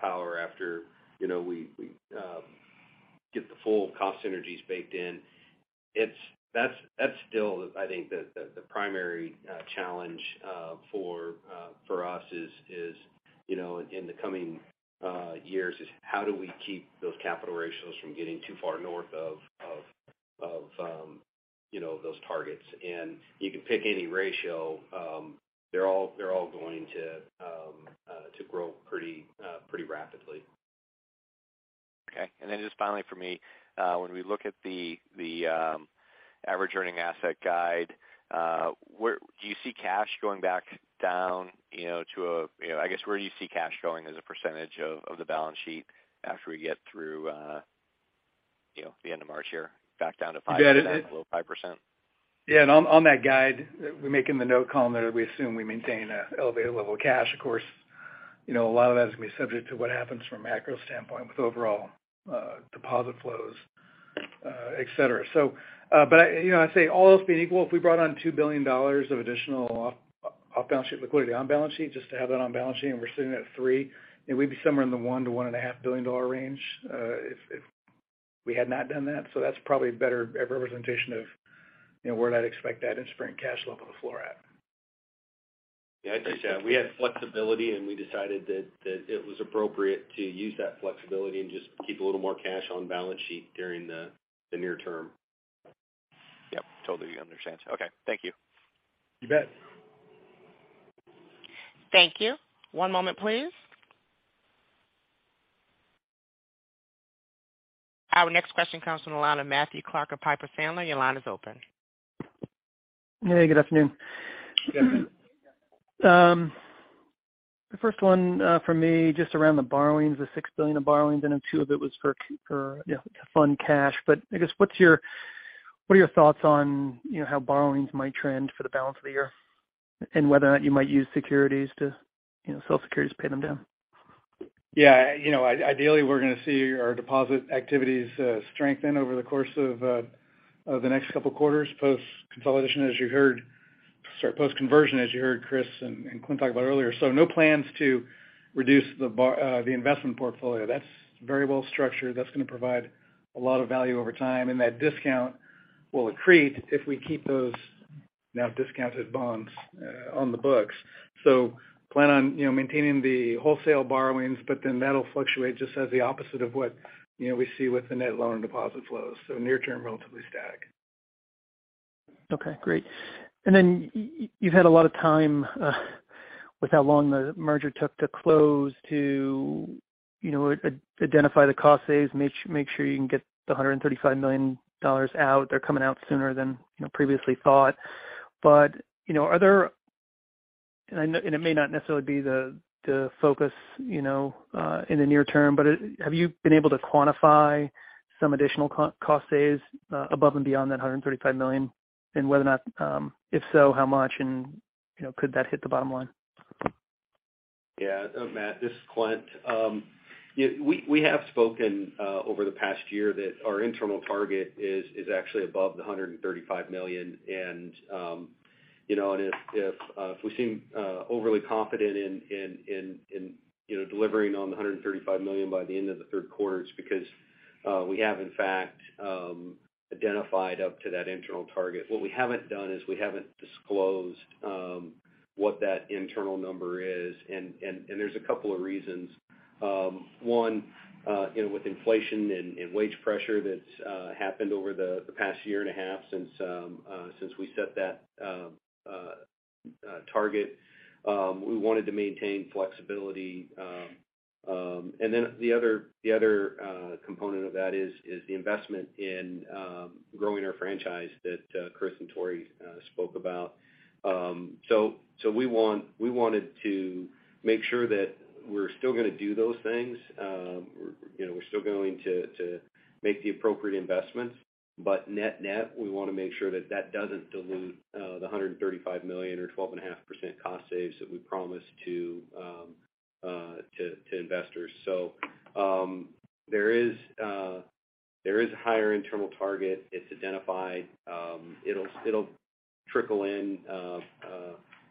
[SPEAKER 3] power after, you know, get the full cost synergies baked in. That's still, I think, the primary challenge for us, you know, in the coming years is how do we keep those capital ratios from getting too far north of, you know, those targets. You can pick any ratio, they're all going to grow pretty rapidly. Okay. Just finally for me, when we look at the average earning asset guide, where do you see cash going back down, you know, to a, you know, I guess, where do you see cash going as a percentage of the balance sheet after we get through, you know, the end of March here, back down to 5%, below 5%?
[SPEAKER 4] On that guide we make in the note column there, we assume we maintain an elevated level of cash. Of course, you know, a lot of that is going to be subject to what happens from a macro standpoint with overall deposit flows, et cetera. But I, you know, I'd say all else being equal, if we brought on $2 billion of additional off-balance sheet liquidity on balance sheet just to have that on balance sheet and we're sitting at $3 billion, we'd be somewhere in the $1 billion-$1.5 billion range if we had not done that. That's probably a better representation of, you know, where I'd expect that in spring cash level to floor at.
[SPEAKER 3] Yeah, I'd say so. We had flexibility, and we decided that it was appropriate to use that flexibility and just keep a little more cash on balance sheet during the near term.
[SPEAKER 10] Yep. Totally understand. Okay. Thank you.
[SPEAKER 4] You bet.
[SPEAKER 1] Thank you. One moment, please. Our next question comes from the line of Matthew Clark of Piper Sandler. Your line is open.
[SPEAKER 11] Hey, good afternoon.
[SPEAKER 4] Good afternoon.
[SPEAKER 11] The 1st one, for me, just around the borrowings, the $6 billion of borrowings, I know $2 billion of it was for, you know, to fund cash. I guess, what are your thoughts on, you know, how borrowings might trend for the balance of the year, and whether or not you might use securities to, you know, sell securities to pay them down?
[SPEAKER 4] Yeah, you know, ideally, we're going to see our deposit activities strengthen over the course of the next couple quarters post-consolidation, as you heard, sorry, post-conversion, as you heard Chris and Clint talk about earlier. No plans to reduce the investment portfolio. That's very well structured. That's going to provide a lot of value over time, and that discount will accrete if we keep those now discounted bonds on the books. Plan on, you know, maintaining the wholesale borrowings, but then that'll fluctuate just as the opposite of what, you know, we see with the net loan and deposit flows. Near term, relatively static.
[SPEAKER 11] Okay, great. Then you've had a lot of time with how long the merger took to close to, you know, identify the cost saves, make sure you can get the $135 million out. They're coming out sooner than, you know, previously thought. You know, are there, and it may not necessarily be the focus, you know, in the near term, but have you been able to quantify some additional cost saves above and beyond that $135 million? Whether or not, if so, how much? You know, could that hit the bottom line?
[SPEAKER 3] Yeah. Matt, this is Clint. Yeah, we have spoken over the past year that our internal target is actually above the $135 million. You know, and if we seem overly confident in, you know, delivering on the $135 million by the end of the 3rd quarter, it's because we have in fact identified up to that internal target. What we haven't done is we haven't disclosed what that internal number is. There's a couple of reasons. One, you know, with inflation and wage pressure that's happened over the past year and a half since we set that target, we wanted to maintain flexibility. The other component of that is the investment in growing our franchise that Chris and Tory spoke about. We wanted to make sure that we're still gonna do those things. You know, we're still going to make the appropriate investments. Net-net, we wanna make sure that that doesn't dilute the $135 million or 12.5% cost saves that we promised to investors. There is a higher internal target. It's identified. It'll trickle in,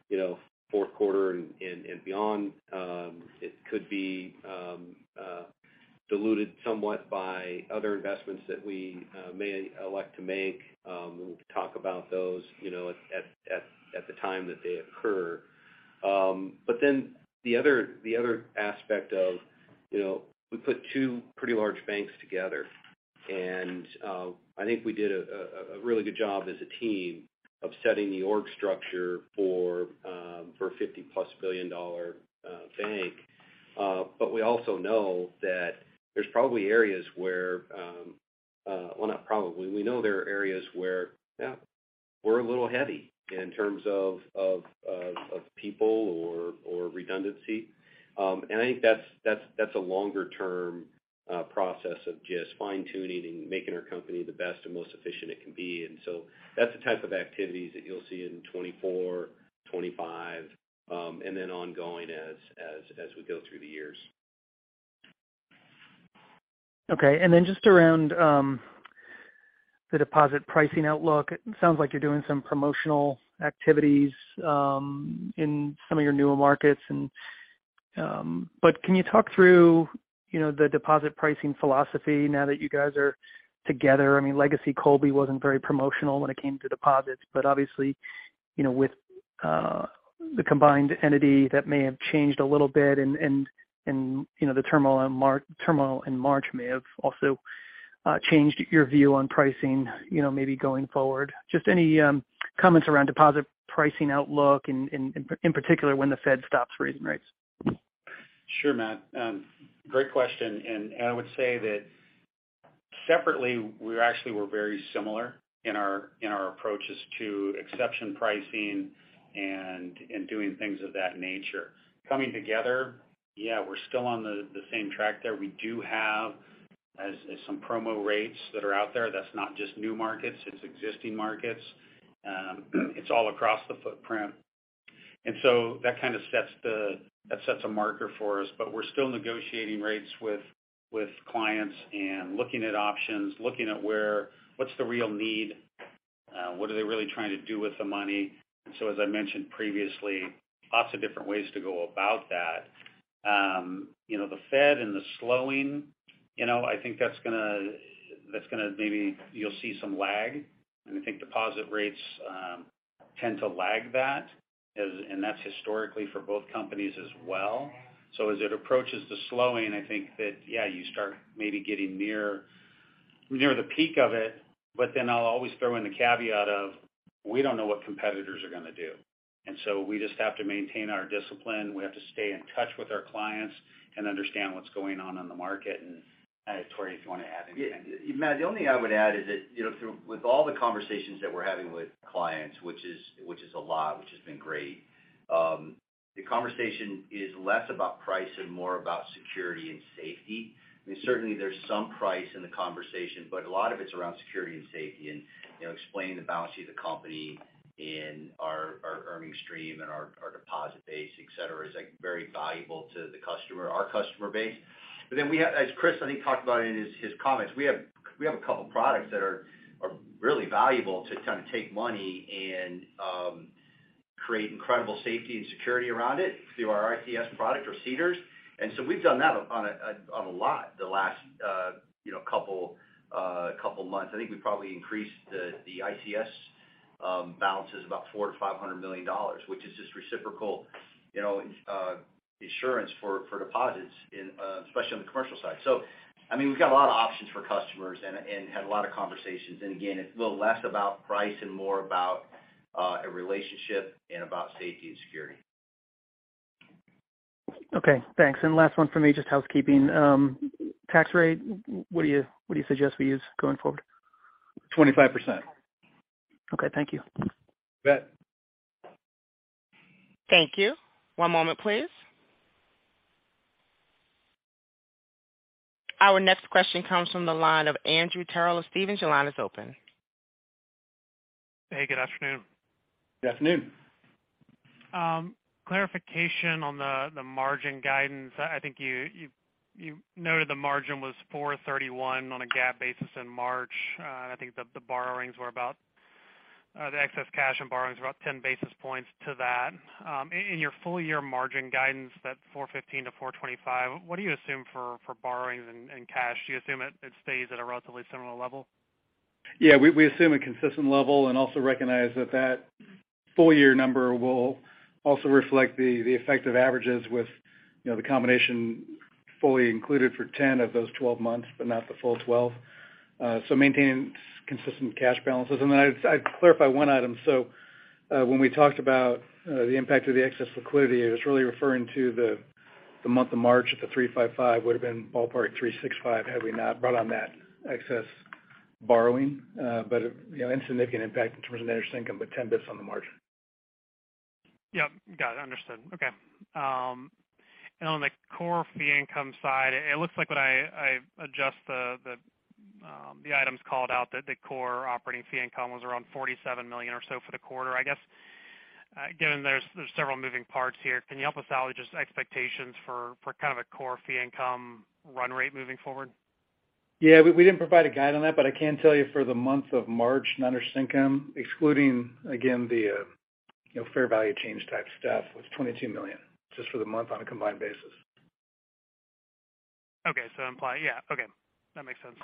[SPEAKER 3] you know, fourth quarter and beyond. It could be diluted somewhat by other investments that we may elect to make. We'll talk about those, you know, at the time that they occur. The other aspect of, you know, we put two pretty large banks together. I think we did a really good job as a team of setting the org structure for a $50-plus billion bank. We also know that there's probably areas where. Well, not probably. We know there are areas where, yeah, we're a little heavy in terms of people or redundancy. I think that's a longer term process of just fine-tuning and making our company the best and most efficient it can be. That's the type of activities that you'll see in 2024, 2025, and then ongoing as we go through the years.
[SPEAKER 11] Okay. Just around the deposit pricing outlook. It sounds like you're doing some promotional activities in some of your newer markets. Can you talk through, you know, the deposit pricing philosophy now that you guys are together? I mean, legacy Columbia wasn't very promotional when it came to deposits. Obviously, you know, with the combined entity, that may have changed a little bit and, you know, the turmoil in March may have also changed your view on pricing, you know, maybe going forward. Just any comments around deposit pricing outlook, in particular, when the Fed stops raising rates.
[SPEAKER 3] Sure, Matt. great question. I would say that separately, we actually were very similar in our approaches to exception pricing and doing things of that nature. Coming together, yeah, we're still on the same track there. We do have some promo rates that are out there. That's not just new markets, it's existing markets. It's all across the footprint. That kind of sets a marker for us. We're still negotiating rates with clients and looking at options, looking at where, what's the real need, what are they really trying to do with the money. As I mentioned previously, lots of different ways to go about that. You know, the Fed and the slowing, you know, I think that's gonna maybe you'll see some lag. I think deposit rates tend to lag that, and that's historically for both companies as well. As it approaches the slowing, I think that, yeah, you start maybe getting near the peak of it. I'll always throw in the caveat of we don't know what competitors are gonna do. We just have to maintain our discipline. We have to stay in touch with our clients and understand what's going on on the market. Tory, if you want to add anything.
[SPEAKER 8] Yeah. Matt, the only I would add is that, you know, with all the conversations that we're having with clients, which is a lot, which has been great, the conversation is less about price and more about security and safety. I mean, certainly there's some price in the conversation, but a lot of it's around security and safety and, you know, explaining the balance sheet of the company and our earning stream and our deposit base, et cetera, is, like, very valuable to the customer, our customer base. We have as Chris, I think, talked about in his comments, we have a couple products that are really valuable to kind of take money and create incredible safety and security around it through our ICS product or CDARS. We've done that on a lot the last, you know, couple months. I think we probably increased the ICS balances about $400 million-$500 million, which is just reciprocal, you know, insurance for deposits in, especially on the commercial side. I mean, we've got a lot of options for customers and had a lot of conversations. Again, it's a little less about price and more about a relationship and about safety and security.
[SPEAKER 11] Okay, thanks. Last one from me, just housekeeping. Tax rate, what do you suggest we use going forward?
[SPEAKER 3] 25%.
[SPEAKER 11] Okay, thank you.
[SPEAKER 3] You bet.
[SPEAKER 1] Thank you. One moment, please. Our next question comes from the line of Andrew Terrell of Stephens. Your line is open.
[SPEAKER 12] Hey, good afternoon.
[SPEAKER 3] Good afternoon.
[SPEAKER 12] Clarification on the margin guidance. I think you noted the margin was 4.31% on a GAAP basis in March. I think the borrowings were about the excess cash and borrowings were about 10 basis points to that. In your full year margin guidance, that 4.15%-4.25%, what do you assume for borrowings and cash? Do you assume it stays at a relatively similar level?
[SPEAKER 4] Yeah. We assume a consistent level and also recognize that the effect of averages with, you know, the combination fully included for 10 of those 12 months, but not the full 12. Maintaining consistent cash balances. I'd clarify 1 item. When we talked about the impact of the excess liquidity, it was really referring to the month of March at the 355 would've been ballpark 365 had we not brought on that excess borrowing. You know, insignificant impact in terms of net interest income, but 10 basis points on the margin.
[SPEAKER 12] Yep. Got it. Understood. Okay. On the core fee income side, it looks like when I adjust the items called out that the core operating fee income was around $47 million or so for the quarter. I guess, given there's several moving parts here, can you help us out with just expectations for kind of a core fee income run rate moving forward?
[SPEAKER 4] Yeah. We didn't provide a guide on that, but I can tell you for the month of March, net interest income, excluding again the, you know, fair value change type stuff, was $22 million just for the month on a combined basis.
[SPEAKER 12] Okay. imply, yeah. Okay. That makes sense.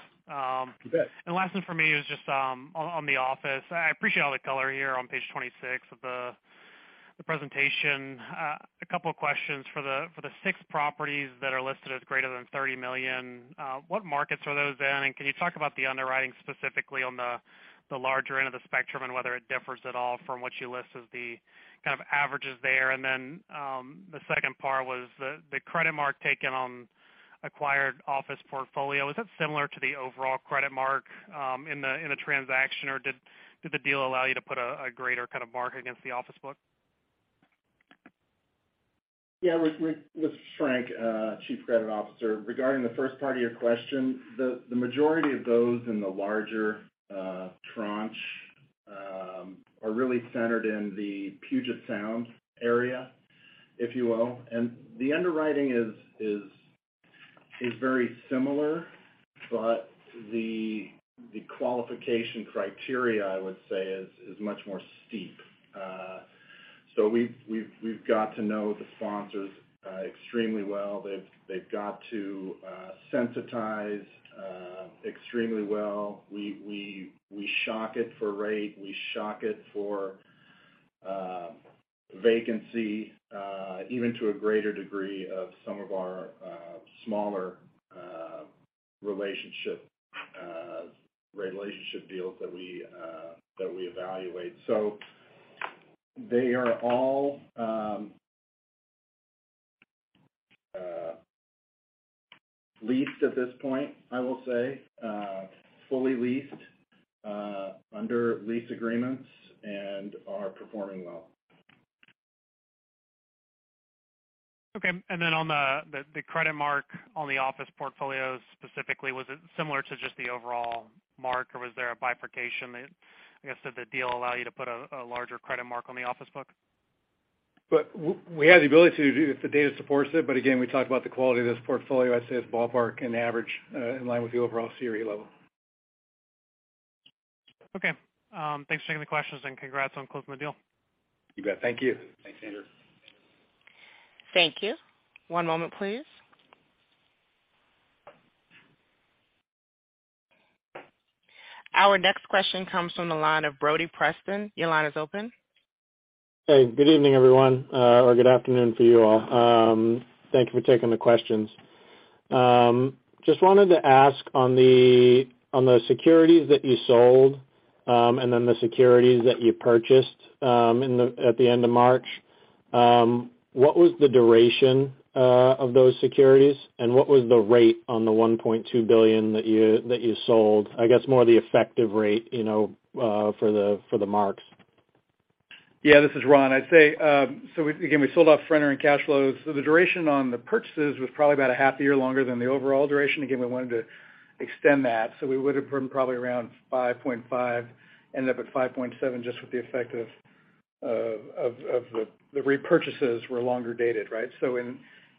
[SPEAKER 4] You bet.
[SPEAKER 12] Last one for me is just on the office. I appreciate all the color here on page 26 of the presentation. A couple of questions. For the 6 properties that are listed as greater than $30 million, what markets are those in? Can you talk about the underwriting specifically on the larger end of the spectrum, and whether it differs at all from what you list as the kind of averages there? Then the 2nd part was the credit mark taken on acquired office portfolio, is it similar to the overall credit mark in the transaction, or did the deal allow you to put a greater kind of mark against the office book?
[SPEAKER 5] This is Frank, Chief Credit Officer. Regarding the 1st part of your question, the majority of those in the larger tranche are really centered in the Puget Sound area, if you will. The underwriting is very similar, but the qualification criteria, I would say, is much more steep. We've got to know the sponsors extremely well. They've got to sensitize extremely well. We shock it for rate, we shock it for vacancy, even to a greater degree of some of our smaller relationship deals that we evaluate. They are all leased at this point, I will say. Fully leased under lease agreements and are performing well.
[SPEAKER 12] Okay. Then on the credit mark on the office portfolio specifically, was it similar to just the overall mark, or was there a bifurcation that, I guess, did the deal allow you to put a larger credit mark on the office book?
[SPEAKER 4] We had the ability to do if the data supports it, but again, we talked about the quality of this portfolio. I'd say it's ballpark in average, in line with the overall CRE level.
[SPEAKER 12] Okay. Thanks for taking the questions, and congrats on closing the deal.
[SPEAKER 5] You bet. Thank you.
[SPEAKER 4] Thanks, Andrew.
[SPEAKER 1] Thank you. One moment please. Our next question comes from the line of Brody Preston. Your line is open.
[SPEAKER 13] Good evening, everyone, or good afternoon for you all. Thank you for taking the questions. Just wanted to ask on the securities that you sold, and then the securities that you purchased, at the end of March, what was the duration of those securities, and what was the rate on the $1.2 billion that you sold? I guess more the effective rate, you know, for the marks?
[SPEAKER 4] This is Ron. I'd say, again, we sold off front-end cash flows. The duration on the purchases was probably about a half year longer than the overall duration. Again, we wanted to extend that. We would've been probably around 5.5, ended up at 5.7 just with the effect of the repurchases were longer dated, right.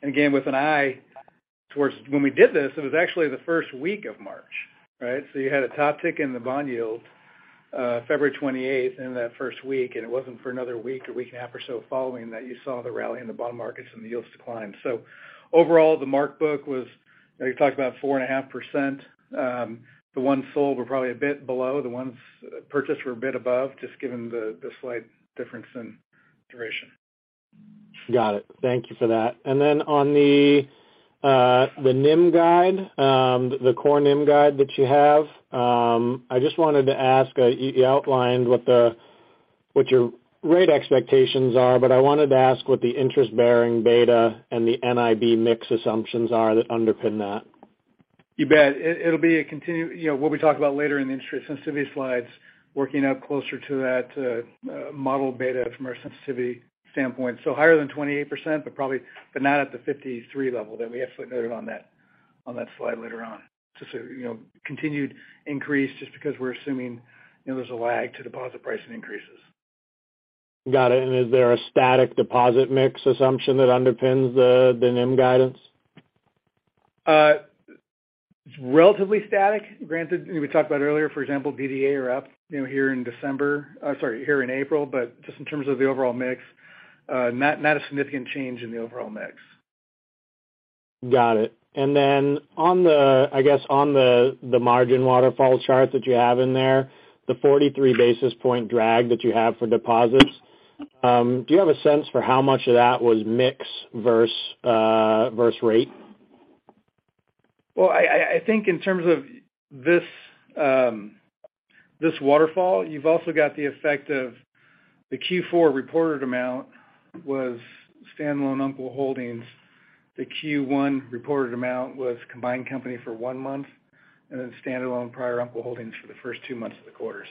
[SPEAKER 4] Again, with an eye towards when we did this, it was actually the 1st week of March, right. You had a top tick in the bond yield, February 28th in that 1st week, and it wasn't for another week or week and a half or so following that you saw the rally in the bond markets and the yields decline. Overall, the mark book was, you know, you talk about 4.5%. The ones sold were probably a bit below. The ones purchased were a bit above, just given the slight difference in duration.
[SPEAKER 13] Got it. Thank you for that. On the NIM guide, the core NIM guide that you have, I just wanted to ask, you outlined what your rate expectations are, but I wanted to ask what the interest-bearing beta and the NIB mix assumptions are that underpin that.
[SPEAKER 4] You bet. It'll be, you know, what we talk about later in the interest sensitivity slides, working out closer to that model beta from our sensitivity standpoint. Higher than 28%, but probably not at the 53 level that we have footnoted on that slide later on. You know, continued increase just because we're assuming, you know, there's a lag to deposit pricing increases.
[SPEAKER 13] Got it. Is there a static deposit mix assumption that underpins the NIM guidance?
[SPEAKER 4] It's relatively static. Granted, we talked about earlier, for example, DDA are up, you know, here in December, sorry, here in April. Just in terms of the overall mix, not a significant change in the overall mix.
[SPEAKER 13] Got it. I guess on the margin waterfall chart that you have in there, the 43 basis point drag that you have for deposits, do you have a sense for how much of that was mix versus versus rate?
[SPEAKER 4] Well, I think in terms of this waterfall, you've also got the effect of the Q4 reported amount was standalone Umpqua Holdings. The Q1 reported amount was combined company for 1 month and then standalone prior Umpqua Holdings for the 1st 2 months of the quarter.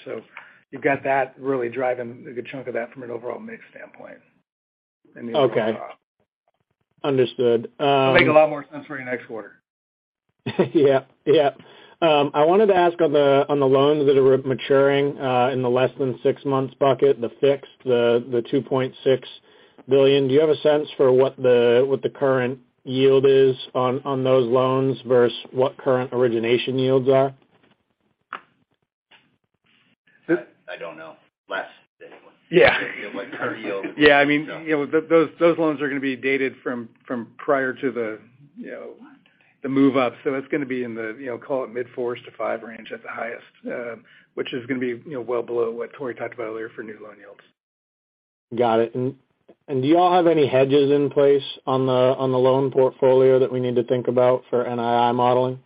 [SPEAKER 4] You've got that really driving a good chunk of that from an overall mix standpoint.
[SPEAKER 13] Okay. Understood.
[SPEAKER 4] It'll make a lot more sense for you next quarter.
[SPEAKER 13] Yeah. Yeah. I wanted to ask on the loans that are maturing in the less than 6 months bucket, the fixed, the $2.6 billion, do you have a sense for what the current yield is on those loans versus what current origination yields are?
[SPEAKER 4] The-
[SPEAKER 8] I don't know. Less than what.
[SPEAKER 4] Yeah.
[SPEAKER 8] You know, like current yield.
[SPEAKER 4] Yeah, I mean, you know, those loans are gonna be dated from prior to the, you know, the move up. It's gonna be in the, you know, call it mid 4s to 5% range at the highest, which is gonna be, you know, well below what Corey talked about earlier for new loan yields.
[SPEAKER 13] Got it. Do y'all have any hedges in place on the loan portfolio that we need to think about for NII modeling?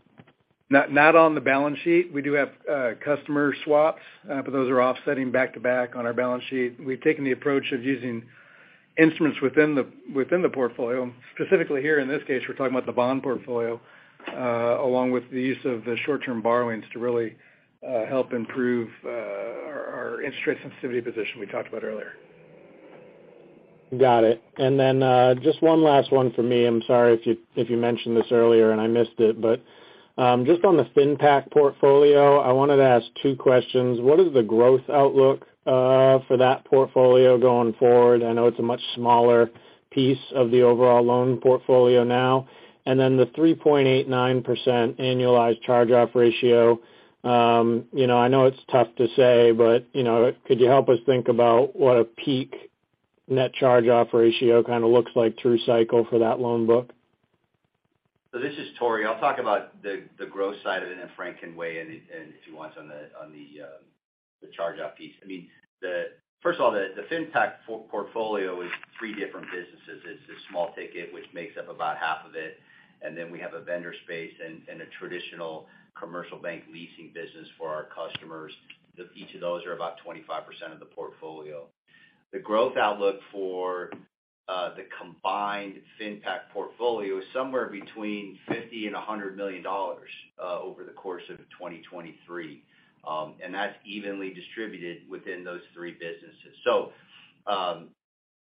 [SPEAKER 4] Not on the balance sheet. We do have customer swaps, but those are offsetting back to back on our balance sheet. We've taken the approach of using instruments within the portfolio. Specifically here in this case, we're talking about the bond portfolio, along with the use of the short-term borrowings to really help improve our interest rate sensitivity position we talked about earlier.
[SPEAKER 13] Got it. Just one last one for me. I'm sorry if you mentioned this earlier and I missed it. Just on the FinPac portfolio, I wanted to ask 2 questions. What is the growth outlook for that portfolio going forward? I know it's a much smaller piece of the overall loan portfolio now. The 3.89% annualized charge-off ratio. You know, I know it's tough to say, but, you know, could you help us think about what a peak net charge-off ratio kind of looks like through cycle for that loan book?
[SPEAKER 8] This is Tory. I'll talk about the growth side of it, and then Frank can weigh in if he wants on the charge-off piece. I mean, first of all, the FinPac portfolio is 3 different businesses. It's the small ticket, which makes up about half of it, and then we have a vendor space and a traditional commercial bank leasing business for our customers. Each of those are about 25% of the portfolio. The growth outlook for the combined FinPac portfolio is somewhere between $50 million and $100 million over the course of 2023. That's evenly distributed within those 3 businesses.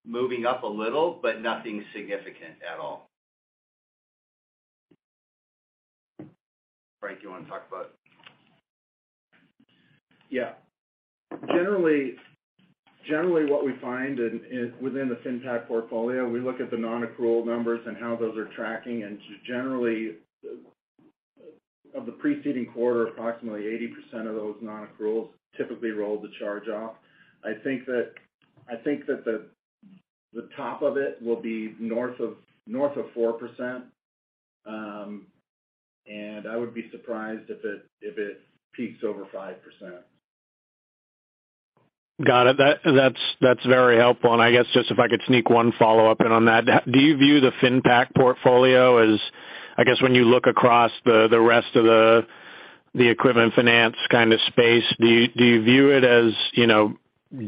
[SPEAKER 8] Moving up a little, but nothing significant at all. Frank, you wanna talk about...
[SPEAKER 5] Generally, what we find in, within the FinPac portfolio, we look at the non-accrual numbers and how those are tracking. Just generally, of the preceding quarter, approximately 80% of those non-accruals typically roll the charge off. I think that the top of it will be north of 4%. I would be surprised if it peaks over 5%.
[SPEAKER 13] Got it. That's very helpful. I guess just if I could sneak one follow-up in on that. Do you view the FinPac portfolio as I guess when you look across the rest of the equipment finance kind of space, do you view it as, you know,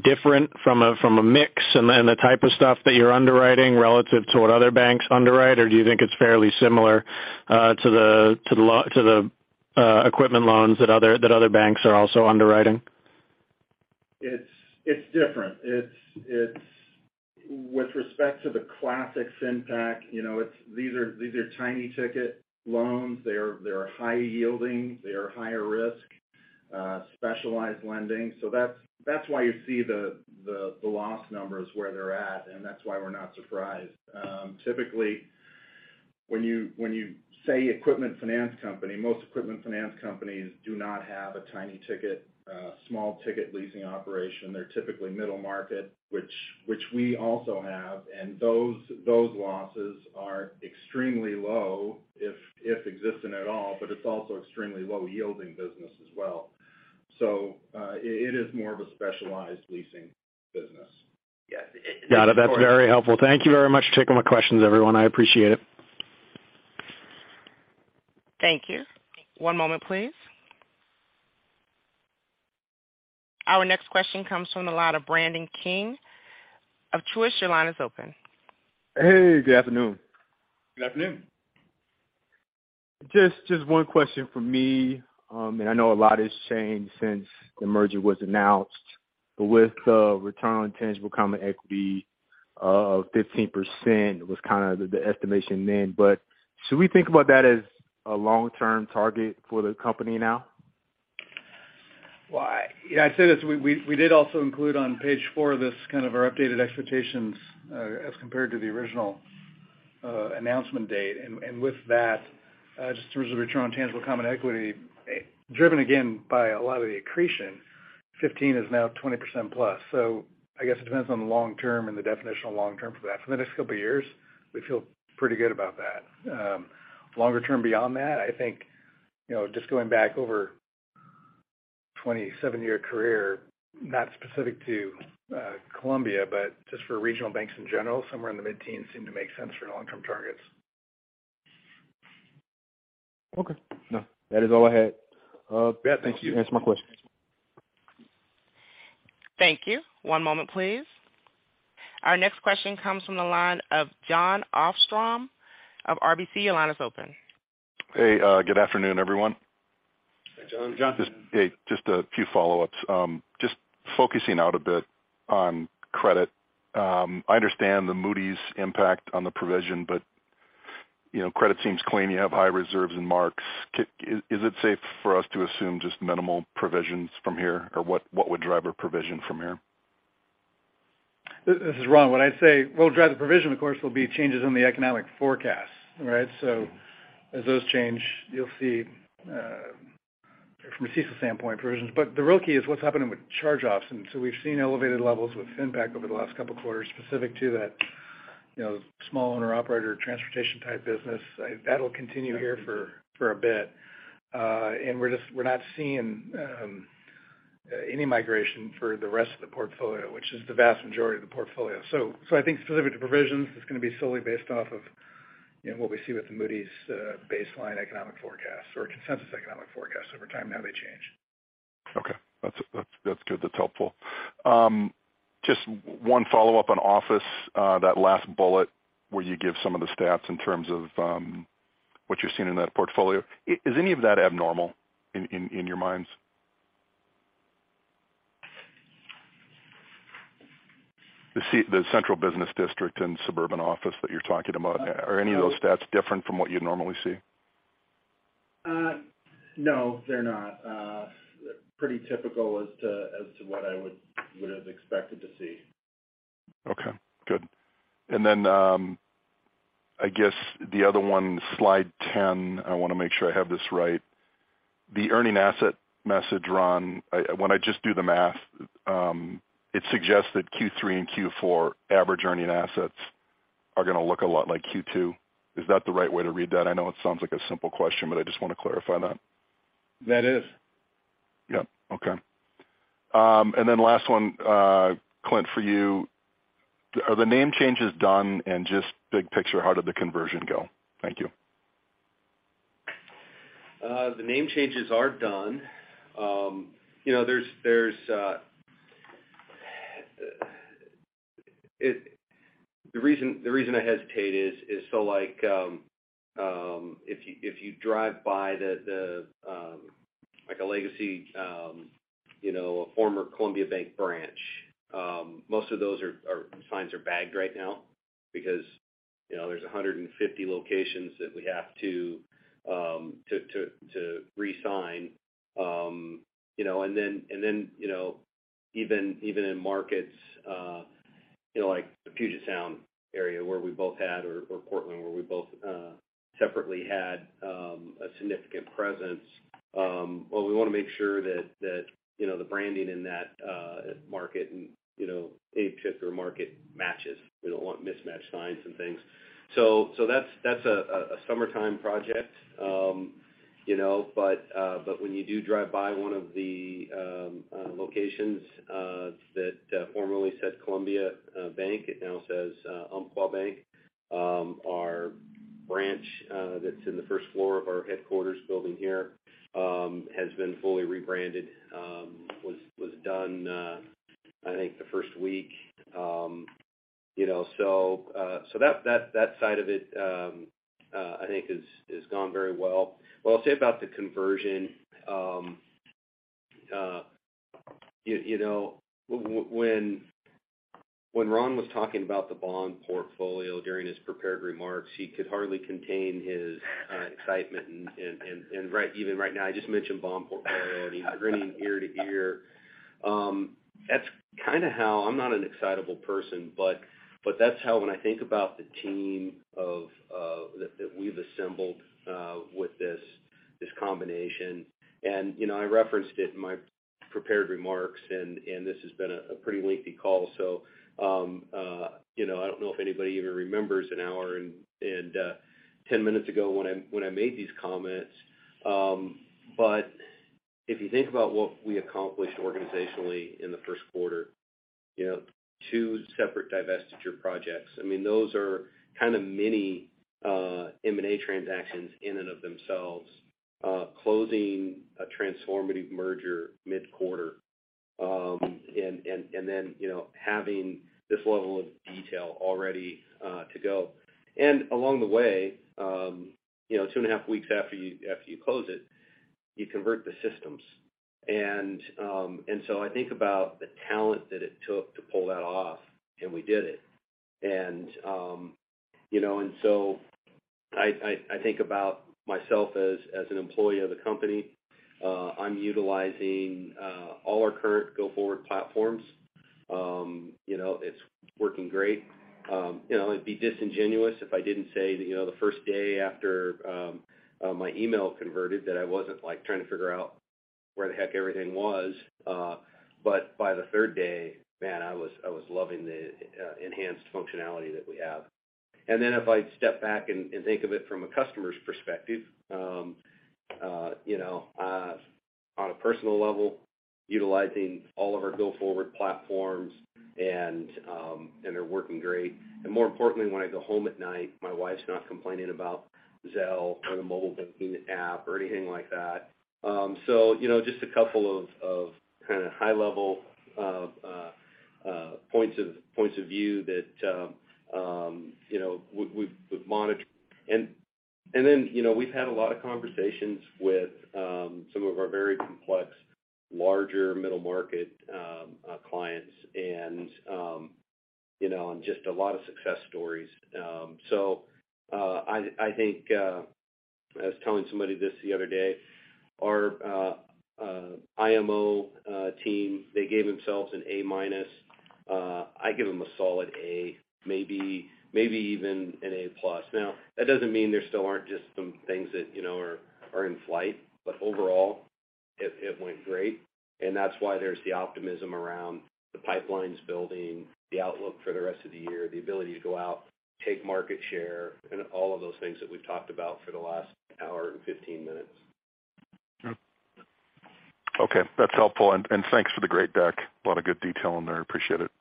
[SPEAKER 13] different from a, from a mix and the, and the type of stuff that you're underwriting relative to what other banks underwrite? Do you think it's fairly similar to the equipment loans that other banks are also underwriting?
[SPEAKER 4] It's different. It's with respect to the classic FinPac, you know, these are tiny ticket loans. They're high yielding. They are higher risk, specialized lending. That's why you see the loss numbers where they're at, and that's why we're not surprised. Typically, when you say equipment finance company, most equipment finance companies do not have a tiny ticket, small ticket leasing operation. They're typically middle market, which we also have, and those losses are extremely low, if existing at all, but it's also extremely low yielding business as well. It is more of a specialized leasing business.
[SPEAKER 8] Yeah.
[SPEAKER 13] Got it. That's very helpful. Thank you very much for taking my questions, everyone. I appreciate it.
[SPEAKER 1] Thank you. One moment please. Our next question comes from the line of Brandon King of Truist. Your line is open.
[SPEAKER 14] Hey, good afternoon.
[SPEAKER 4] Good afternoon.
[SPEAKER 14] Just one question from me. I know a lot has changed since the merger was announced. With the return on tangible common equity of 15% was kind of the estimation then. Should we think about that as a long-term target for the company now?
[SPEAKER 4] Well, yeah, I'd say this. We did also include on page 4 this kind of our updated expectations, as compared to the original announcement date. With that, just in terms of return on tangible common equity, driven again by a lot of the accretion, 15 is now 20% plus. I guess it depends on the long term and the definition of long term for that. For the next couple of years, we feel pretty good about that. Longer term beyond that, I think, you know, just going back over a 27-year career, not specific to Columbia, but just for regional banks in general, somewhere in the mid-teens seem to make sense for long-term targets.
[SPEAKER 14] Okay. No, that is all I had.
[SPEAKER 4] Yeah. Thank you.
[SPEAKER 14] That answers my question.
[SPEAKER 1] Thank you. One moment, please. Our next question comes from the line of Jon Arfstrom of RBC. Your line is open.
[SPEAKER 15] Hey, good afternoon, everyone.
[SPEAKER 4] Hey, Jon.
[SPEAKER 3] Jon.
[SPEAKER 15] Hey, just a few follow-ups. Just focusing out a bit on credit. I understand the Moody's impact on the provision, but, you know, credit seems clean. You have high reserves and marks. Is it safe for us to assume just minimal provisions from here? What would drive a provision from here?
[SPEAKER 4] This is Ron. What I'd say will drive the provision, of course, will be changes in the economic forecasts, right? As those change, you'll see from a CECL standpoint, provisions. The real key is what's happening with charge-offs. We've seen elevated levels with FinPac over the last couple of quarters specific to that, you know, small owner-operator transportation type business. That'll continue here for a bit. We're not seeing any migration for the rest of the portfolio, which is the vast majority of the portfolio. I think specific to provisions, it's going to be solely based off of, you know, what we see with Moody's baseline economic forecast or consensus economic forecast over time and how they change.
[SPEAKER 15] Okay. That's good. That's helpful. Just one follow-up on office, that last bullet where you give some of the stats in terms of what you're seeing in that portfolio, is any of that abnormal in your minds? The central business district and suburban office that you're talking about, are any of those stats different from what you'd normally see?
[SPEAKER 3] No, they're not. Pretty typical as to what I would have expected to see.
[SPEAKER 15] Okay, good. I guess the other one, slide 10, I want to make sure I have this right. The earning asset message, Ron, when I just do the math, it suggests that Q3 and Q4 average earning assets are going to look a lot like Q2. Is that the right way to read that? I know it sounds like a simple question, but I just want to clarify that.
[SPEAKER 4] That is.
[SPEAKER 15] Yeah. Okay. Last one, Clint, for you. Are the name changes done? Big picture, how did the conversion go? Thank you.
[SPEAKER 3] The name changes are done. The reason I hesitate is so, like, if you drive by the, like a legacy, you know, a former Columbia Bank branch, most of those signs are bagged right now because, you know, there's 150 locations that we have to re-sign. You know, and then, you know, even in markets, you know, like the Puget Sound area where we both had or Portland, where we both separately had a significant presence, well, we want to make sure that, you know, the branding in that market and, you know, APIC or market matches. We don't want mismatched signs and things. That's a summertime project. You know, but when you do drive by one of the locations that formerly said Columbia Bank, it now says Umpqua Bank. Our branch that's in the first floor of our headquarters building here has been fully rebranded, was done, I think the first week. You know, so that side of it, I think is gone very well. What I'll say about the conversion, you know, when Ron was talking about the bond portfolio during his prepared remarks, he could hardly contain his excitement. Even right now, I just mentioned bond portfolio and he's grinning ear to ear. That's kind of how I'm not an excitable person, but that's how when I think about the team of that we've assembled with this combination. You know, I referenced it in my prepared remarks, and this has been a pretty lengthy call, so, you know, I don't know if anybody even remembers an hour and 10 minutes ago when I made these comments. If you think about what we accomplished organizationally in the first quarter, you know, two separate divestiture projects. I mean, those are kind of mini M&A transactions in and of themselves. Closing a transformative merger mid-quarter, and then, you know, having this level of detail all ready to go. Along the way, you know, 2 and a half weeks after you close it, you convert the systems. So I think about the talent that it took to pull that off, and we did it. You know, so I think about myself as an employee of the company. I'm utilizing all our current go-forward platforms. You know, it's working great. You know, it'd be disingenuous if I didn't say that, you know, the 1st day after my email converted that I wasn't, like, trying to figure out where the heck everything was. By the 3rd day, man, I was loving the enhanced functionality that we have. If I step back and think of it from a customer's perspective, you know, on a personal level, utilizing all of our go-forward platforms and they're working great. More importantly, when I go home at night, my wife's not complaining about Zelle or the mobile banking app or anything like that. You know, just a couple of kind of high level points of view that, you know, we've monitored. You know, we've had a lot of conversations with some of our very complex, larger middle market clients and, you know, just a lot of success stories. I think I was telling somebody this the other day, our IMO team, they gave themselves an A minus. I give them a solid A, maybe even an A plus. That doesn't mean there still aren't just some things that, you know, are in flight, but overall it went great. That's why there's the optimism around the pipelines building, the outlook for the rest of the year, the ability to go out, take market share and all of those things that we've talked about for the last hour and 15 minutes.
[SPEAKER 16] Okay, that's helpful. Thanks for the great deck. A lot of good detail in there. I appreciate it.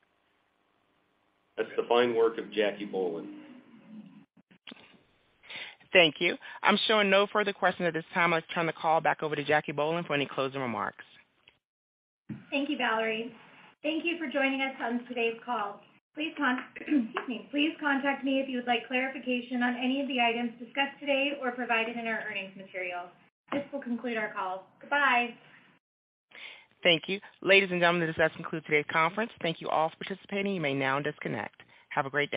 [SPEAKER 3] That's the fine work of Jacquelynne Bohlen.
[SPEAKER 1] Thank you. I'm showing no further questions at this time. Let's turn the call back over to Jacquelynne Bohlen for any closing remarks.
[SPEAKER 2] Thank you, Valerie. Thank you for joining us on today's call. Please excuse me. Please contact me if you would like clarification on any of the items discussed today or provided in our earnings material. This will conclude our call. Goodbye.
[SPEAKER 1] Thank you. Ladies and gentlemen, this does conclude today's conference. Thank you all for participating. You may now disconnect. Have a great day.